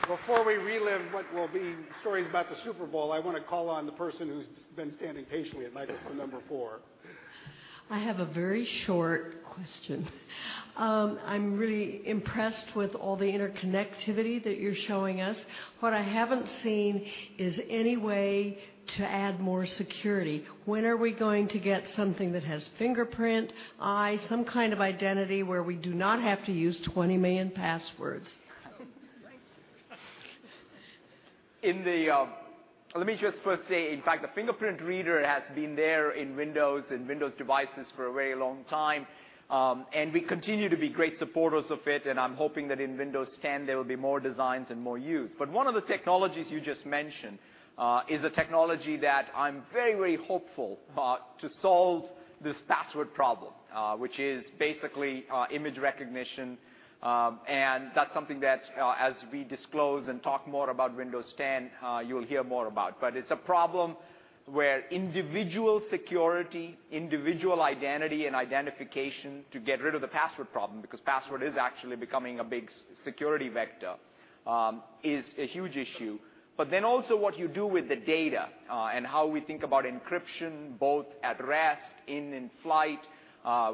Before we relive what will be stories about the Super Bowl, I want to call on the person who's been standing patiently at microphone number four. I have a very short question. I'm really impressed with all the interconnectivity that you're showing us. What I haven't seen is any way to add more security. When are we going to get something that has fingerprint, eye, some kind of identity where we do not have to use 20 million passwords? Let me just first say, in fact, the fingerprint reader has been there in Windows and Windows devices for a very long time. We continue to be great supporters of it, and I'm hoping that in Windows 10, there will be more designs and more use. One of the technologies you just mentioned is a technology that I'm very hopeful to solve this password problem, which is basically image recognition. That's something that as we disclose and talk more about Windows 10, you'll hear more about. It's a problem where individual security, individual identity, and identification to get rid of the password problem, because password is actually becoming a big security vector, is a huge issue. Also what you do with the data, and how we think about encryption both at rest, in flight.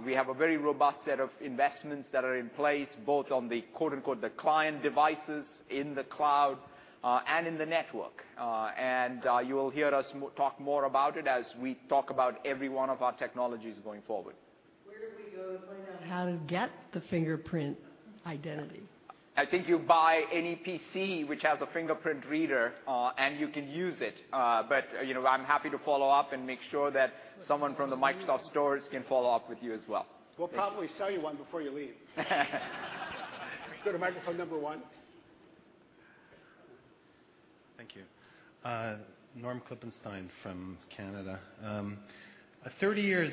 We have a very robust set of investments that are in place, both on the quote-unquote, the "client devices" in the cloud, and in the network. You will hear us talk more about it as we talk about every one of our technologies going forward. Where do we go to find out how to get the fingerprint identity? I think you buy any PC which has a fingerprint reader, and you can use it. I'm happy to follow up and make sure that someone from the Microsoft stores can follow up with you as well. We'll probably sell you one before you leave. Let's go to microphone number one. Thank you. Norm Klippenstine from Canada. 30 years,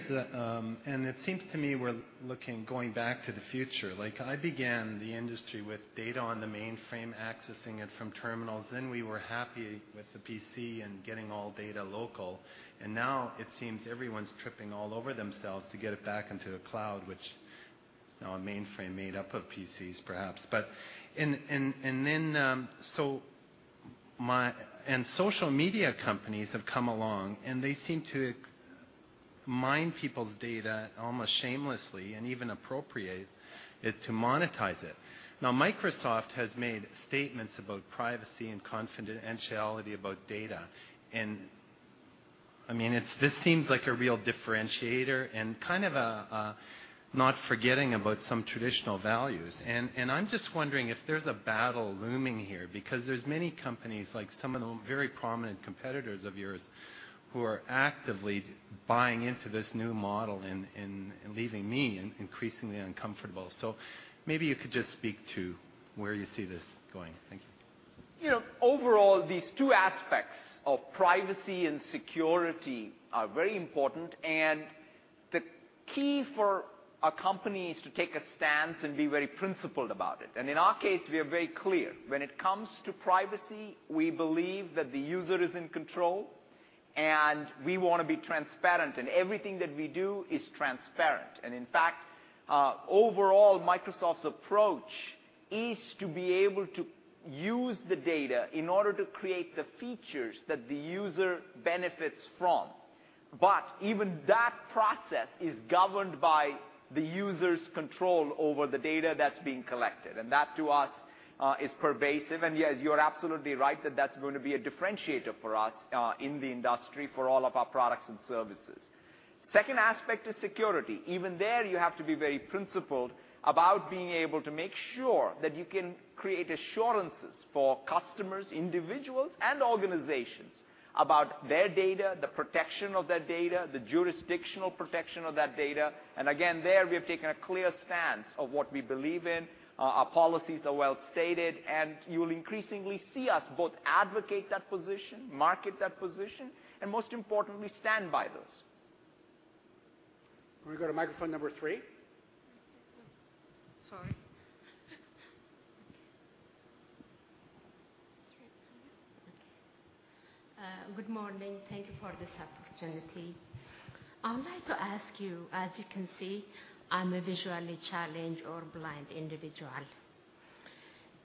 and it seems to me we're looking, going back to the future. I began the industry with data on the mainframe, accessing it from terminals. We were happy with the PC and getting all data local. Now it seems everyone's tripping all over themselves to get it back into the cloud, which is now a mainframe made up of PCs, perhaps. Social media companies have come along, and they seem to mine people's data almost shamelessly and even appropriate it to monetize it. Microsoft has made statements about privacy and confidentiality about data, and this seems like a real differentiator and kind of not forgetting about some traditional values. I'm just wondering if there's a battle looming here, because there's many companies, like some of the very prominent competitors of yours, who are actively buying into this new model and leaving me increasingly uncomfortable. Maybe you could just speak to where you see this going. Thank you. Overall, these two aspects of privacy and security are very important, and the key for a company is to take a stance and be very principled about it. In our case, we are very clear. When it comes to privacy, we believe that the user is in control, and we want to be transparent, and everything that we do is transparent. In fact, overall, Microsoft's approach is to be able to use the data in order to create the features that the user benefits from. Even that process is governed by the user's control over the data that's being collected, and that, to us, is pervasive. Yes, you're absolutely right that that's going to be a differentiator for us in the industry for all of our products and services. Second aspect is security. Even there, you have to be very principled about being able to make sure that you can create assurances for customers, individuals, and organizations about their data, the protection of that data, the jurisdictional protection of that data. Again, there, we have taken a clear stance of what we believe in. Our policies are well-stated, and you will increasingly see us both advocate that position, market that position, and most importantly, stand by those. Can we go to microphone number three? Sorry. Okay. Good morning. Thank you for this opportunity. I would like to ask you, as you can see, I'm a visually challenged or blind individual.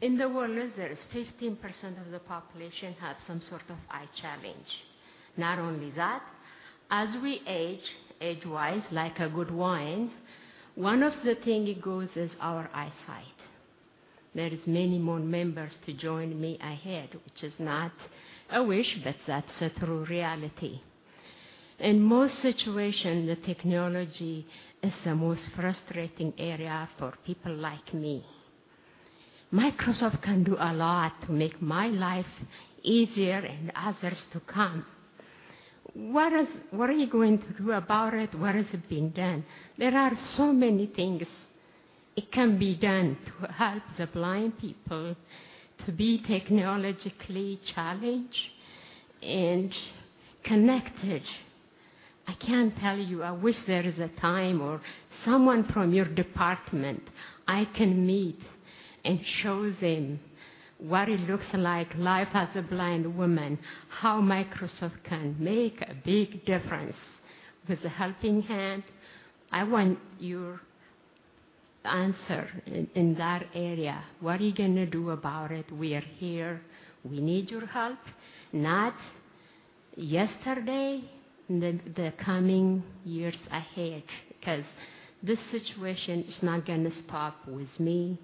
In the world, there is 15% of the population have some sort of eye challenge. Not only that, as we age-wise, like a good wine, one of the thing that goes is our eyesight. There is many more members to join me ahead, which is not a wish, but that's a true reality. In most situation, the technology is the most frustrating area for people like me. Microsoft can do a lot to make my life easier and others to come. What are you going to do about it? What is being done? There are so many things it can be done to help the blind people to be technologically challenged and connected. I can tell you, I wish there is a time or someone from your department I can meet and show them what it looks like, life as a blind woman, how Microsoft can make a big difference with a helping hand. I want your answer in that area. What are you going to do about it? We are here. We need your help, not yesterday, in the coming years ahead, because this situation is not going to stop with me.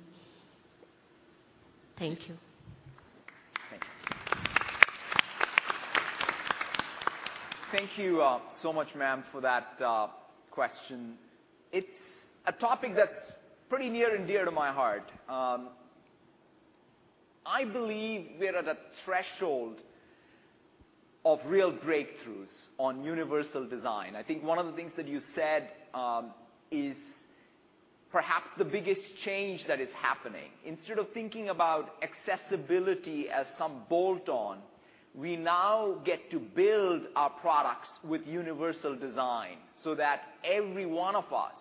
Thank you. Thank you. Thank you so much, ma'am, for that question. It's a topic that's pretty near and dear to my heart. I believe we are at a threshold of real breakthroughs on universal design. I think one of the things that you said is perhaps the biggest change that is happening. Instead of thinking about accessibility as some bolt-on, we now get to build our products with universal design so that every one of us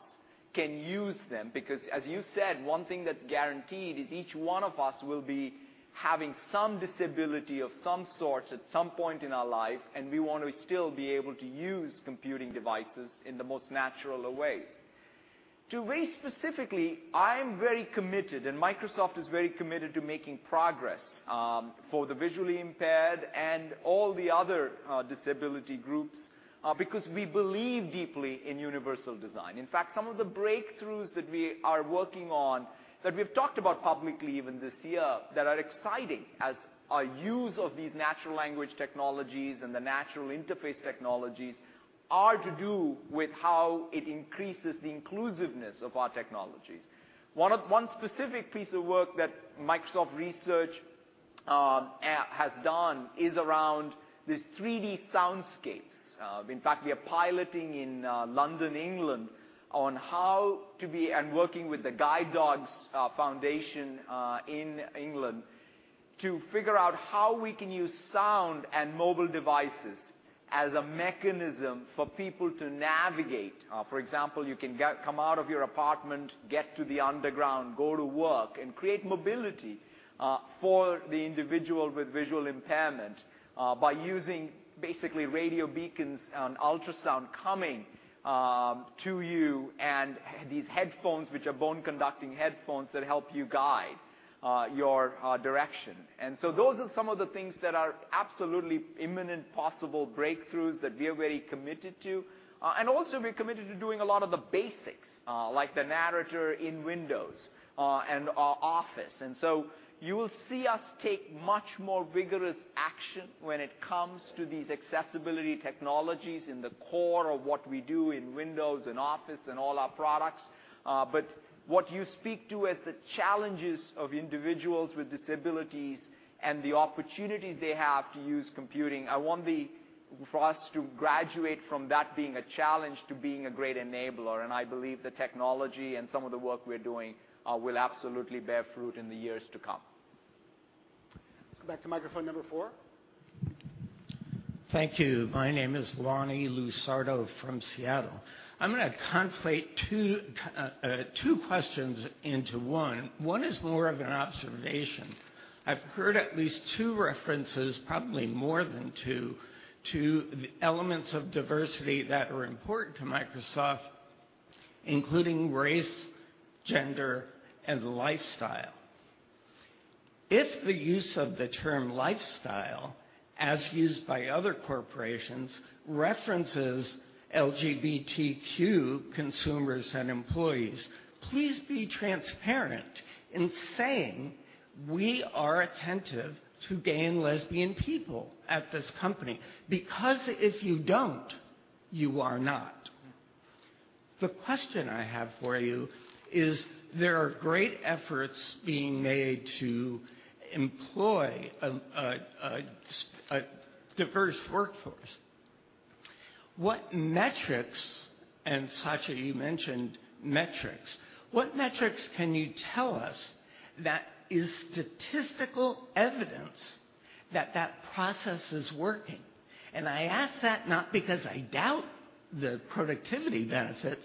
can use them because, as you said, one thing that's guaranteed is each one of us will be having some disability of some sort at some point in our life, and we want to still be able to use computing devices in the most natural of ways. Very specifically, I'm very committed, Microsoft is very committed to making progress for the visually impaired and all the other disability groups because we believe deeply in universal design. In fact, some of the breakthroughs that we are working on, that we've talked about publicly even this year that are exciting as our use of these natural language technologies and the natural interface technologies are to do with how it increases the inclusiveness of our technologies. One specific piece of work that Microsoft Research has done is around these 3D soundscapes. In fact, we are piloting in London, England, and working with the Guide Dogs Foundation in England to figure out how we can use sound and mobile devices as a mechanism for people to navigate. For example, you can come out of your apartment, get to the underground, go to work, create mobility for the individual with visual impairment by using basically radio beacons and ultrasound coming to you and these headphones, which are bone conducting headphones that help you guide your direction. Those are some of the things that are absolutely imminent possible breakthroughs that we are very committed to. Also, we're committed to doing a lot of the basics, like the narrator in Windows and Office. You will see us take much more rigorous action when it comes to these accessibility technologies in the core of what we do in Windows and Office and all our products. What you speak to as the challenges of individuals with disabilities and the opportunities they have to use computing, I want for us to graduate from that being a challenge to being a great enabler. I believe the technology and some of the work we're doing will absolutely bear fruit in the years to come. Let's go back to microphone number four. Thank you. My name is Lonnie Lusardo from Seattle. I'm going to conflate two questions into one. One is more of an observation. I've heard at least two references, probably more than two, to the elements of diversity that are important to Microsoft, including race, gender, and lifestyle. If the use of the term lifestyle, as used by other corporations, references LGBTQ consumers and employees, please be transparent in saying, we are attentive to gay and lesbian people at this company. Because if you don't, you are not. The question I have for you is, there are great efforts being made to employ a diverse workforce. What metrics, Satya, you mentioned metrics. What metrics can you tell us that is statistical evidence that that process is working? I ask that not because I doubt the productivity benefits,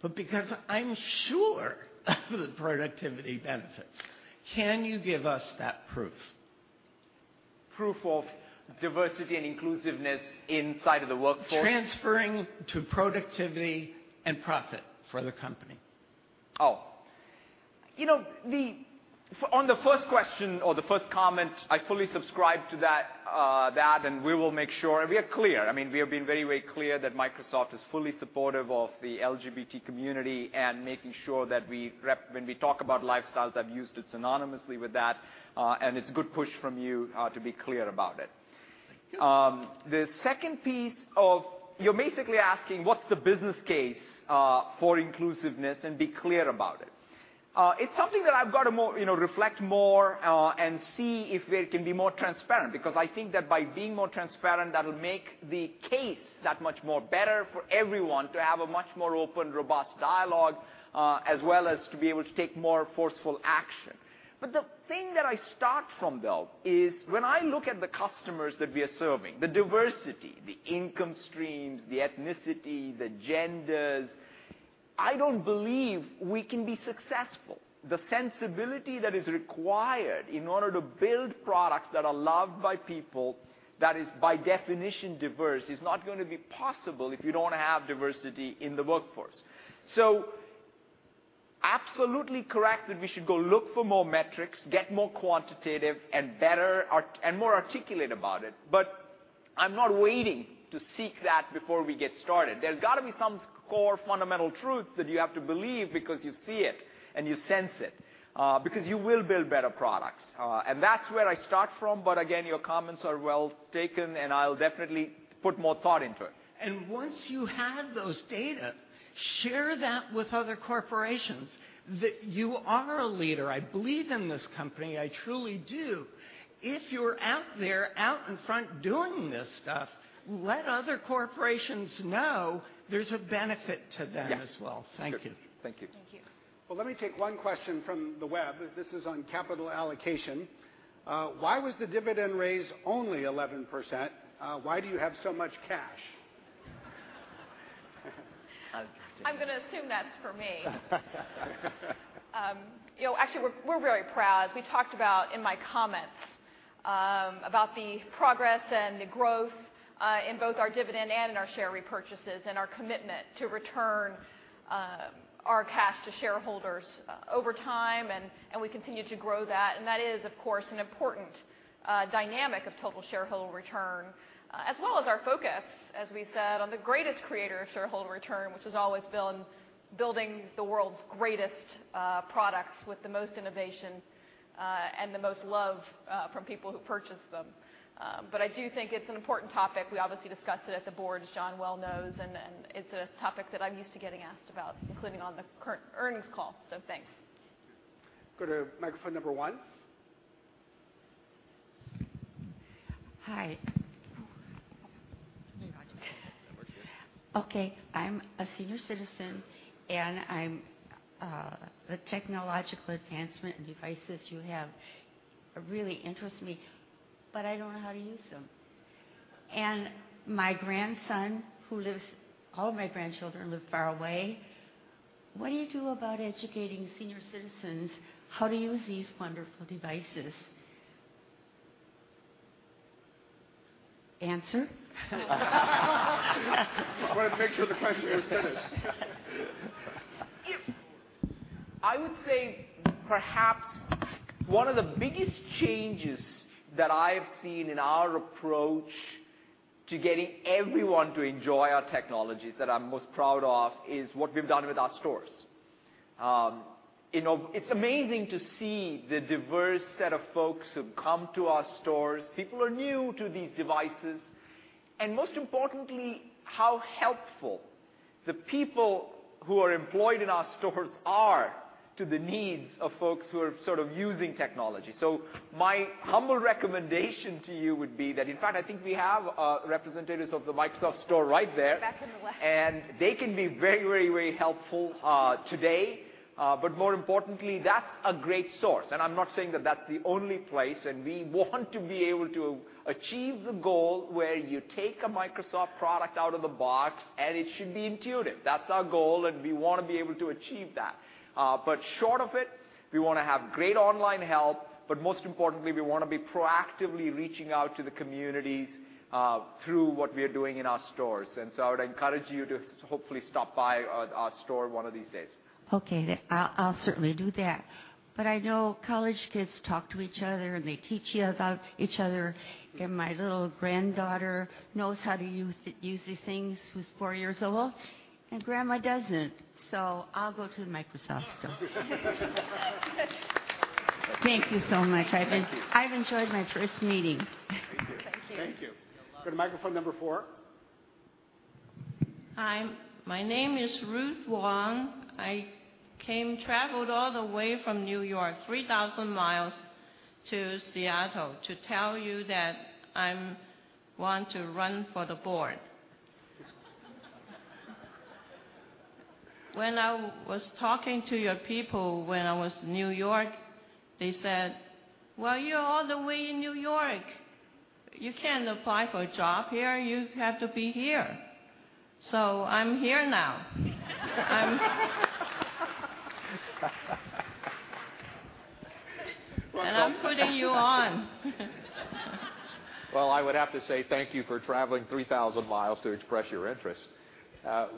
but because I'm sure of the productivity benefits. Can you give us that proof? Proof of diversity and inclusiveness inside of the workforce? Transferring to productivity and profit for the company. On the first question or the first comment, I fully subscribe to that, and we will make sure we are clear. We have been very clear that Microsoft is fully supportive of the LGBT community and making sure that when we talk about lifestyles, I've used it synonymously with that. It's a good push from you to be clear about it. Thank you. You're basically asking what's the business case for inclusiveness and be clear about it. It's something that I've got to reflect more on and see if we can be more transparent, because I think that by being more transparent, that'll make the case that much more better for everyone to have a much more open, robust dialogue, as well as to be able to take more forceful action. The thing that I start from, though, is when I look at the customers that we are serving, the diversity, the income streams, the ethnicity, the genders, I don't believe we can be successful. The sensibility that is required in order to build products that are loved by people that is by definition diverse is not going to be possible if you don't have diversity in the workforce. Absolutely correct that we should go look for more metrics, get more quantitative and more articulate about it. I'm not waiting to seek that before we get started. There's got to be some core fundamental truths that you have to believe because you see it and you sense it, because you will build better products. That's where I start from. Again, your comments are well taken, and I'll definitely put more thought into it. Once you have those data, share that with other corporations. That you are a leader. I believe in this company, I truly do. If you're out there, out in front doing this stuff, let other corporations know there's a benefit to them as well. Yeah. Thank you. Thank you. Thank you. Let me take one question from the web. This is on capital allocation. Why was the dividend raise only 11%? Why do you have so much cash? I'm going to assume that's for me. Actually, we're very proud. We talked about in my comments, about the progress and the growth, in both our dividend and in our share repurchases, and our commitment to return our cash to shareholders over time, and we continue to grow that. That is, of course, an important dynamic of total shareholder return. As well as our focus, as we said, on the greatest creator of shareholder return, which has always been building the world's greatest products with the most innovation, and the most love from people who purchase them. I do think it's an important topic. We obviously discussed it at the board, as John well knows, and it's a topic that I'm used to getting asked about, including on the current earnings call. Thanks. Go to microphone number 1. Hi. Okay. I'm a senior citizen, and the technological advancement devices you have really interest me, but I don't know how to use them. My grandson, all of my grandchildren live far away. What do you do about educating senior citizens how to use these wonderful devices? Answer? I want to make sure the question is finished. I would say perhaps one of the biggest changes that I've seen in our approach to getting everyone to enjoy our technologies, that I'm most proud of, is what we've done with our stores. It's amazing to see the diverse set of folks who come to our stores, people who are new to these devices, and most importantly, how helpful the people who are employed in our stores are to the needs of folks who are sort of using technology. My humble recommendation to you would be that, in fact, I think we have representatives of the Microsoft Store right there. Back in the left. They can be very helpful today. More importantly, that's a great source. I'm not saying that that's the only place, and we want to be able to achieve the goal where you take a Microsoft product out of the box, and it should be intuitive. That's our goal, and we want to be able to achieve that. Short of it, we want to have great online help, but most importantly, we want to be proactively reaching out to the communities through what we are doing in our stores. I would encourage you to hopefully stop by our store one of these days. Okay. I'll certainly do that. I know college kids talk to each other, and they teach each other, and my little granddaughter knows how to use these things who's four years old, and grandma doesn't. I'll go to the Microsoft Store. Thank you so much. Thank you. I've enjoyed my first meeting. Thank you. Thank you. Go to microphone number 4. Hi, my name is Ruth Wong. I traveled all the way from New York, 3,000 miles to Seattle to tell you that I want to run for the board. When I was talking to your people when I was in New York, they said, "Well, you're all the way in New York. You can't apply for a job here. You have to be here." I'm here now. Welcome. I'm putting you on. Well, I would have to say thank you for traveling 3,000 miles to express your interest.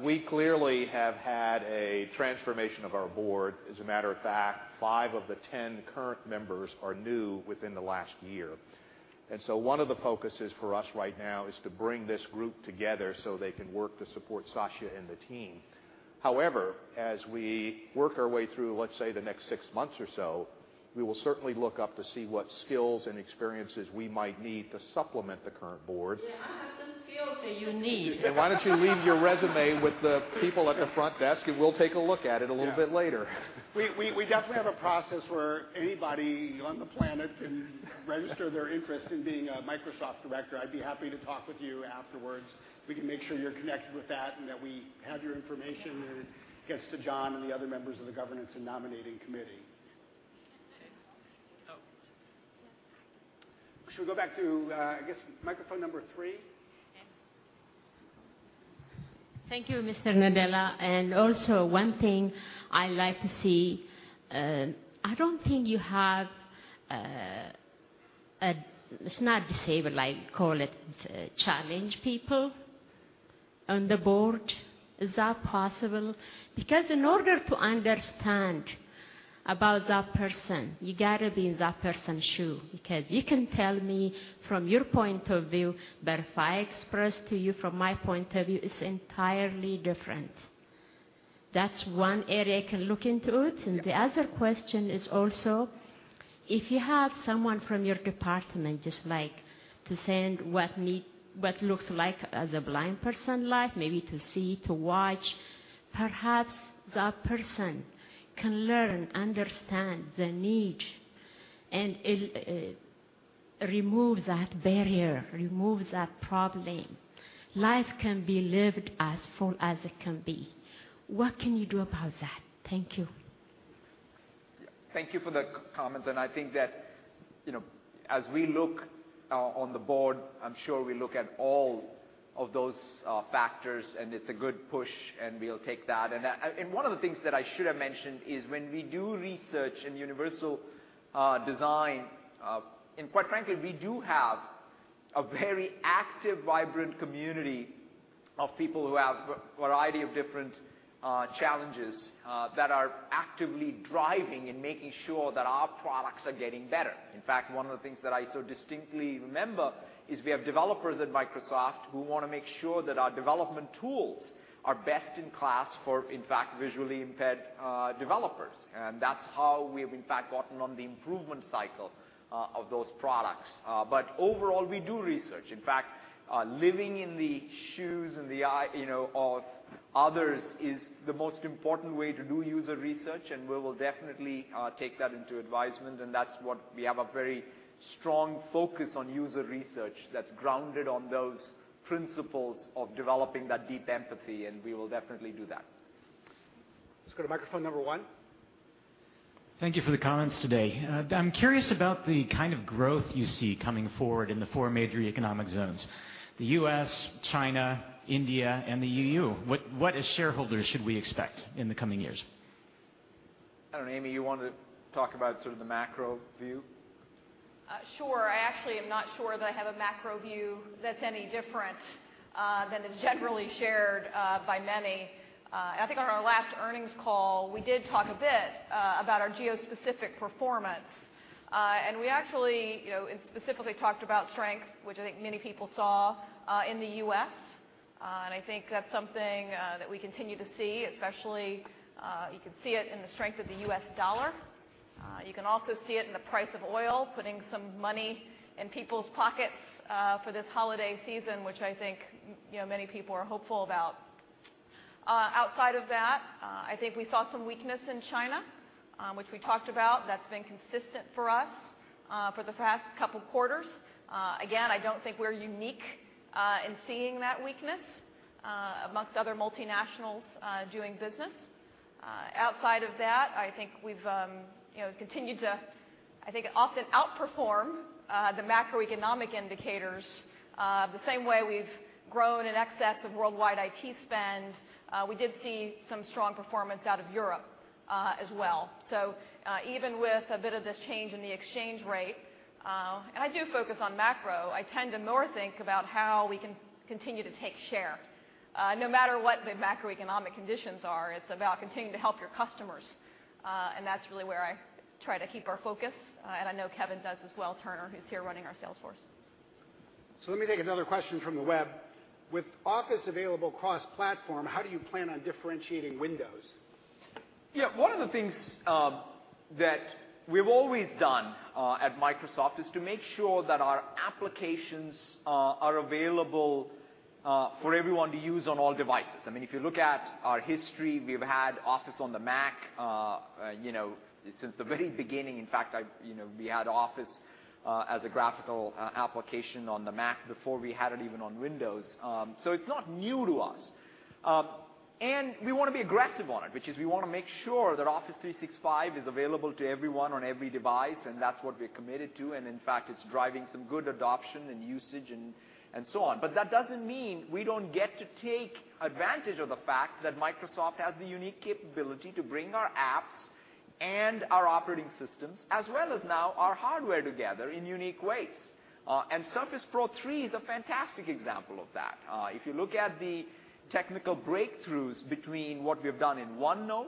We clearly have had a transformation of our board. As a matter of fact, 5 of the 10 current members are new within the last year. One of the focuses for us right now is to bring this group together so they can work to support Satya and the team. However, as we work our way through, let's say, the next six months or so, we will certainly look up to see what skills and experiences we might need to supplement the current board. Yeah, I have the skills that you need. Why don't you leave your resume with the people at the front desk, and we'll take a look at it a little bit later. We definitely have a process where anybody on the planet can register their interest in being a Microsoft director. I'd be happy to talk with you afterwards. We can make sure you're connected with that and that we have your information, and it gets to John and the other members of the Governance and Nominating Committee. Should we go back to, I guess, microphone number 3? Thank you, Mr. Nadella. Also, one thing I like to see, I don't think you have, let's not, call it, challenged people on the board. Is that possible? Because in order to understand about that person, you got to be in that person's shoe. Because you can tell me from your point of view, but if I express to you from my point of view, it's entirely different. That's one area I can look into it. Yeah. The other question is also, if you have someone from your department, just like to send what looks like as a blind person life, maybe to see, to watch, perhaps that person can learn, understand the need, and remove that barrier, remove that problem. Life can be lived as full as it can be. What can you do about that? Thank you. Thank you for the comments. I think that as we look on the board, I'm sure we look at all of those factors, and it's a good push, and we'll take that. One of the things that I should have mentioned is when we do research in universal design, and quite frankly, we do have a very active, vibrant community of people who have a variety of different challenges that are actively driving and making sure that our products are getting better. In fact, one of the things that I so distinctly remember is we have developers at Microsoft who want to make sure that our development tools are best in class for, in fact, visually impaired developers. That's how we have, in fact, gotten on the improvement cycle of those products. Overall, we do research. In fact, living in the shoes and the eye of others is the most important way to do user research, and we will definitely take that into advisement, and that's what we have a very strong focus on user research that's grounded on those principles of developing that deep empathy, and we will definitely do that. Let's go to microphone number 1. Thank you for the comments today. I'm curious about the kind of growth you see coming forward in the four major economic zones, the U.S., China, India, and the E.U. What, as shareholders, should we expect in the coming years? Amy, you want to talk about sort of the macro view? Sure. I actually am not sure that I have a macro view that's any different than is generally shared by many. I think on our last earnings call, we did talk a bit about our geo-specific performance. We actually specifically talked about strength, which I think many people saw in the U.S., and I think that's something that we continue to see, especially, you can see it in the strength of the US dollar. You can also see it in the price of oil, putting some money in people's pockets for this holiday season, which I think many people are hopeful about. Outside of that, I think we saw some weakness in China, which we talked about. That's been consistent for us for the past couple of quarters. Again, I don't think we're unique in seeing that weakness amongst other multinationals doing business. Outside of that, I think we've continued to often outperform the macroeconomic indicators the same way we've grown in excess of worldwide IT spend. We did see some strong performance out of Europe as well. Even with a bit of this change in the exchange rate, I do focus on macro, I tend to more think about how we can continue to take share. No matter what the macroeconomic conditions are, it's about continuing to help your customers. That's really where I try to keep our focus, and I know Kevin Turner does as well, who's here running our sales force. Let me take another question from the web. With Office available cross-platform, how do you plan on differentiating Windows? Yeah. One of the things that we've always done at Microsoft is to make sure that our applications are available for everyone to use on all devices. If you look at our history, we've had Office on the Mac since the very beginning. In fact, we had Office as a graphical application on the Mac before we had it even on Windows, so it's not new to us. We want to be aggressive on it, which is we want to make sure that Office 365 is available to everyone on every device, and that's what we're committed to. In fact, it's driving some good adoption and usage, and so on. That doesn't mean we don't get to take advantage of the fact that Microsoft has the unique capability to bring our apps and our operating systems, as well as now our hardware together in unique ways. Surface Pro 3 is a fantastic example of that. If you look at the technical breakthroughs between what we've done in OneNote,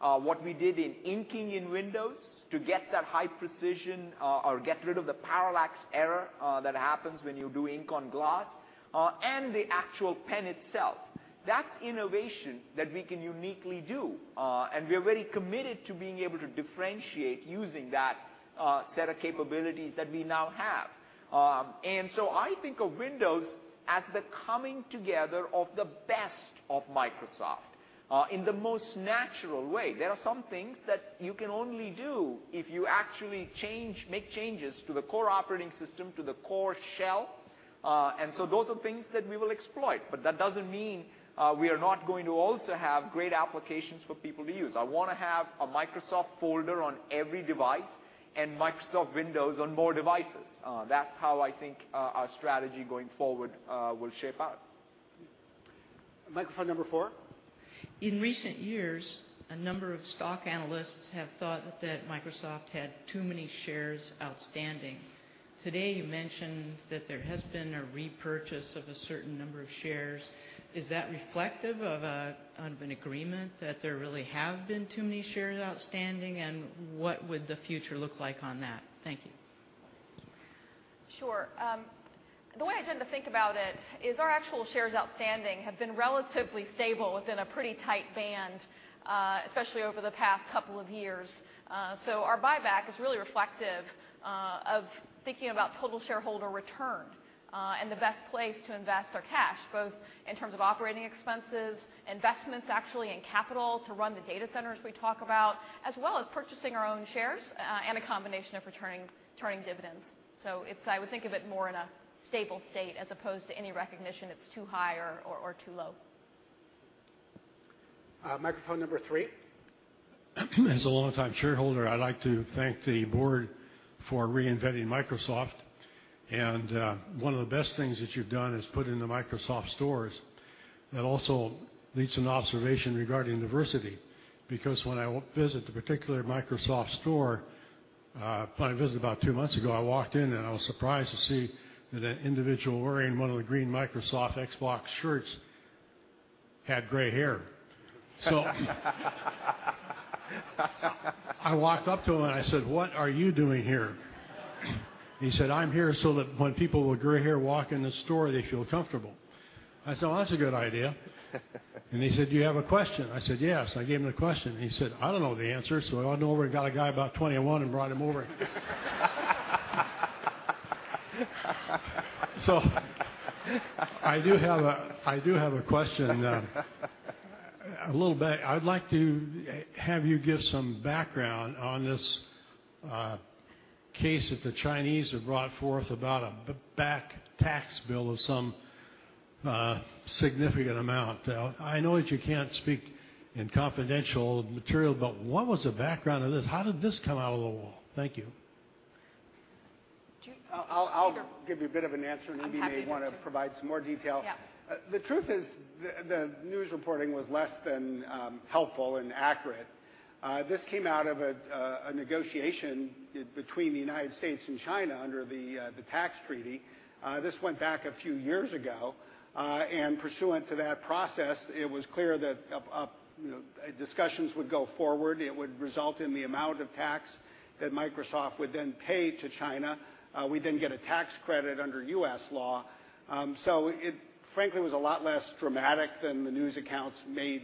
what we did in inking in Windows to get that high precision or get rid of the parallax error that happens when you do ink on glass, and the actual pen itself. That's innovation that we can uniquely do, and we're very committed to being able to differentiate using that set of capabilities that we now have. I think of Windows as the coming together of the best of Microsoft in the most natural way. There are some things that you can only do if you actually make changes to the core operating system, to the core shell. Those are things that we will exploit. That doesn't mean we are not going to also have great applications for people to use. I want to have a Microsoft folder on every device and Microsoft Windows on more devices. That's how I think our strategy going forward will shape out. Microphone number four. In recent years, a number of stock analysts have thought that Microsoft had too many shares outstanding. Today, you mentioned that there has been a repurchase of a certain number of shares. Is that reflective of an agreement that there really have been too many shares outstanding? What would the future look like on that? Thank you. Sure. The way I tend to think about it is our actual shares outstanding have been relatively stable within a pretty tight band, especially over the past couple of years. Our buyback is really reflective of thinking about total shareholder return, and the best place to invest our cash, both in terms of operating expenses, investments, actually, in capital to run the data centers we talk about, as well as purchasing our own shares and a combination of returning dividends. I would think of it more in a stable state as opposed to any recognition it's too high or too low. Microphone number 3. As a longtime shareholder, I'd like to thank the board for reinventing Microsoft. One of the best things that you've done is put in the Microsoft Stores. That also leads to an observation regarding diversity, because when I visit the particular Microsoft Store, when I visited about two months ago, I walked in I was surprised to see that an individual wearing one of the green Microsoft Xbox shirts had gray hair. I walked up to him and I said, "What are you doing here?" He said, "I'm here so that when people with gray hair walk in the store, they feel comfortable." I said, "Well, that's a good idea." He said, "You have a question?" I said, "Yes." I gave him the question, and he said, "I don't know the answer, I went over and got a guy about 21 and brought him over here." I do have a question. I'd like to have you give some background on this case that the Chinese have brought forth about a back tax bill of some significant amount. I know that you can't speak in confidential material, but what was the background of this? How did this come out of the wall? Thank you. I'll give you a bit of an answer. I'm happy to. Amy may want to provide some more detail. Yeah. The truth is, the news reporting was less than helpful and accurate. This came out of a negotiation between the U.S. and China under the tax treaty. This went back a few years ago, and pursuant to that process, it was clear that discussions would go forward. It would result in the amount of tax that Microsoft would then pay to China. We then get a tax credit under U.S. law. It, frankly, was a lot less dramatic than the news accounts made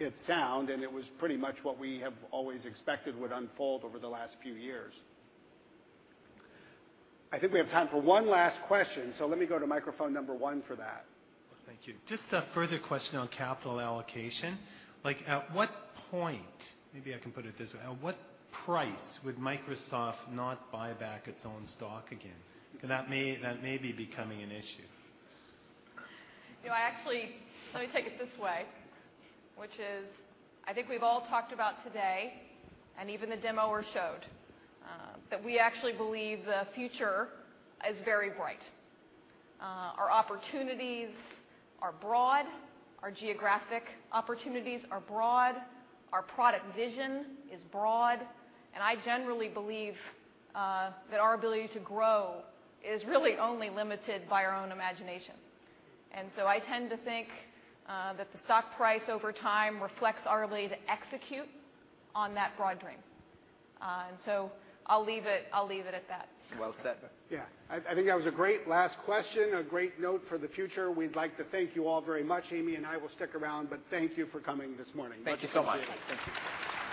it sound, and it was pretty much what we have always expected would unfold over the last few years. I think we have time for one last question, so let me go to microphone number 1 for that. Well, thank you. Just a further question on capital allocation. At what point, maybe I can put it this way, at what price would Microsoft not buy back its own stock again? Because that may be becoming an issue. Let me take it this way, which is, I think we've all talked about today, and even the demoer showed, that we actually believe the future is very bright. Our opportunities are broad, our geographic opportunities are broad, our product vision is broad, and I generally believe that our ability to grow is really only limited by our own imagination. I tend to think that the stock price over time reflects our ability to execute on that broad dream. I'll leave it at that. Well said. Yeah. I think that was a great last question, a great note for the future. We'd like to thank you all very much. Amy and I will stick around, thank you for coming this morning. Thank you so much. Much appreciated. Thank you.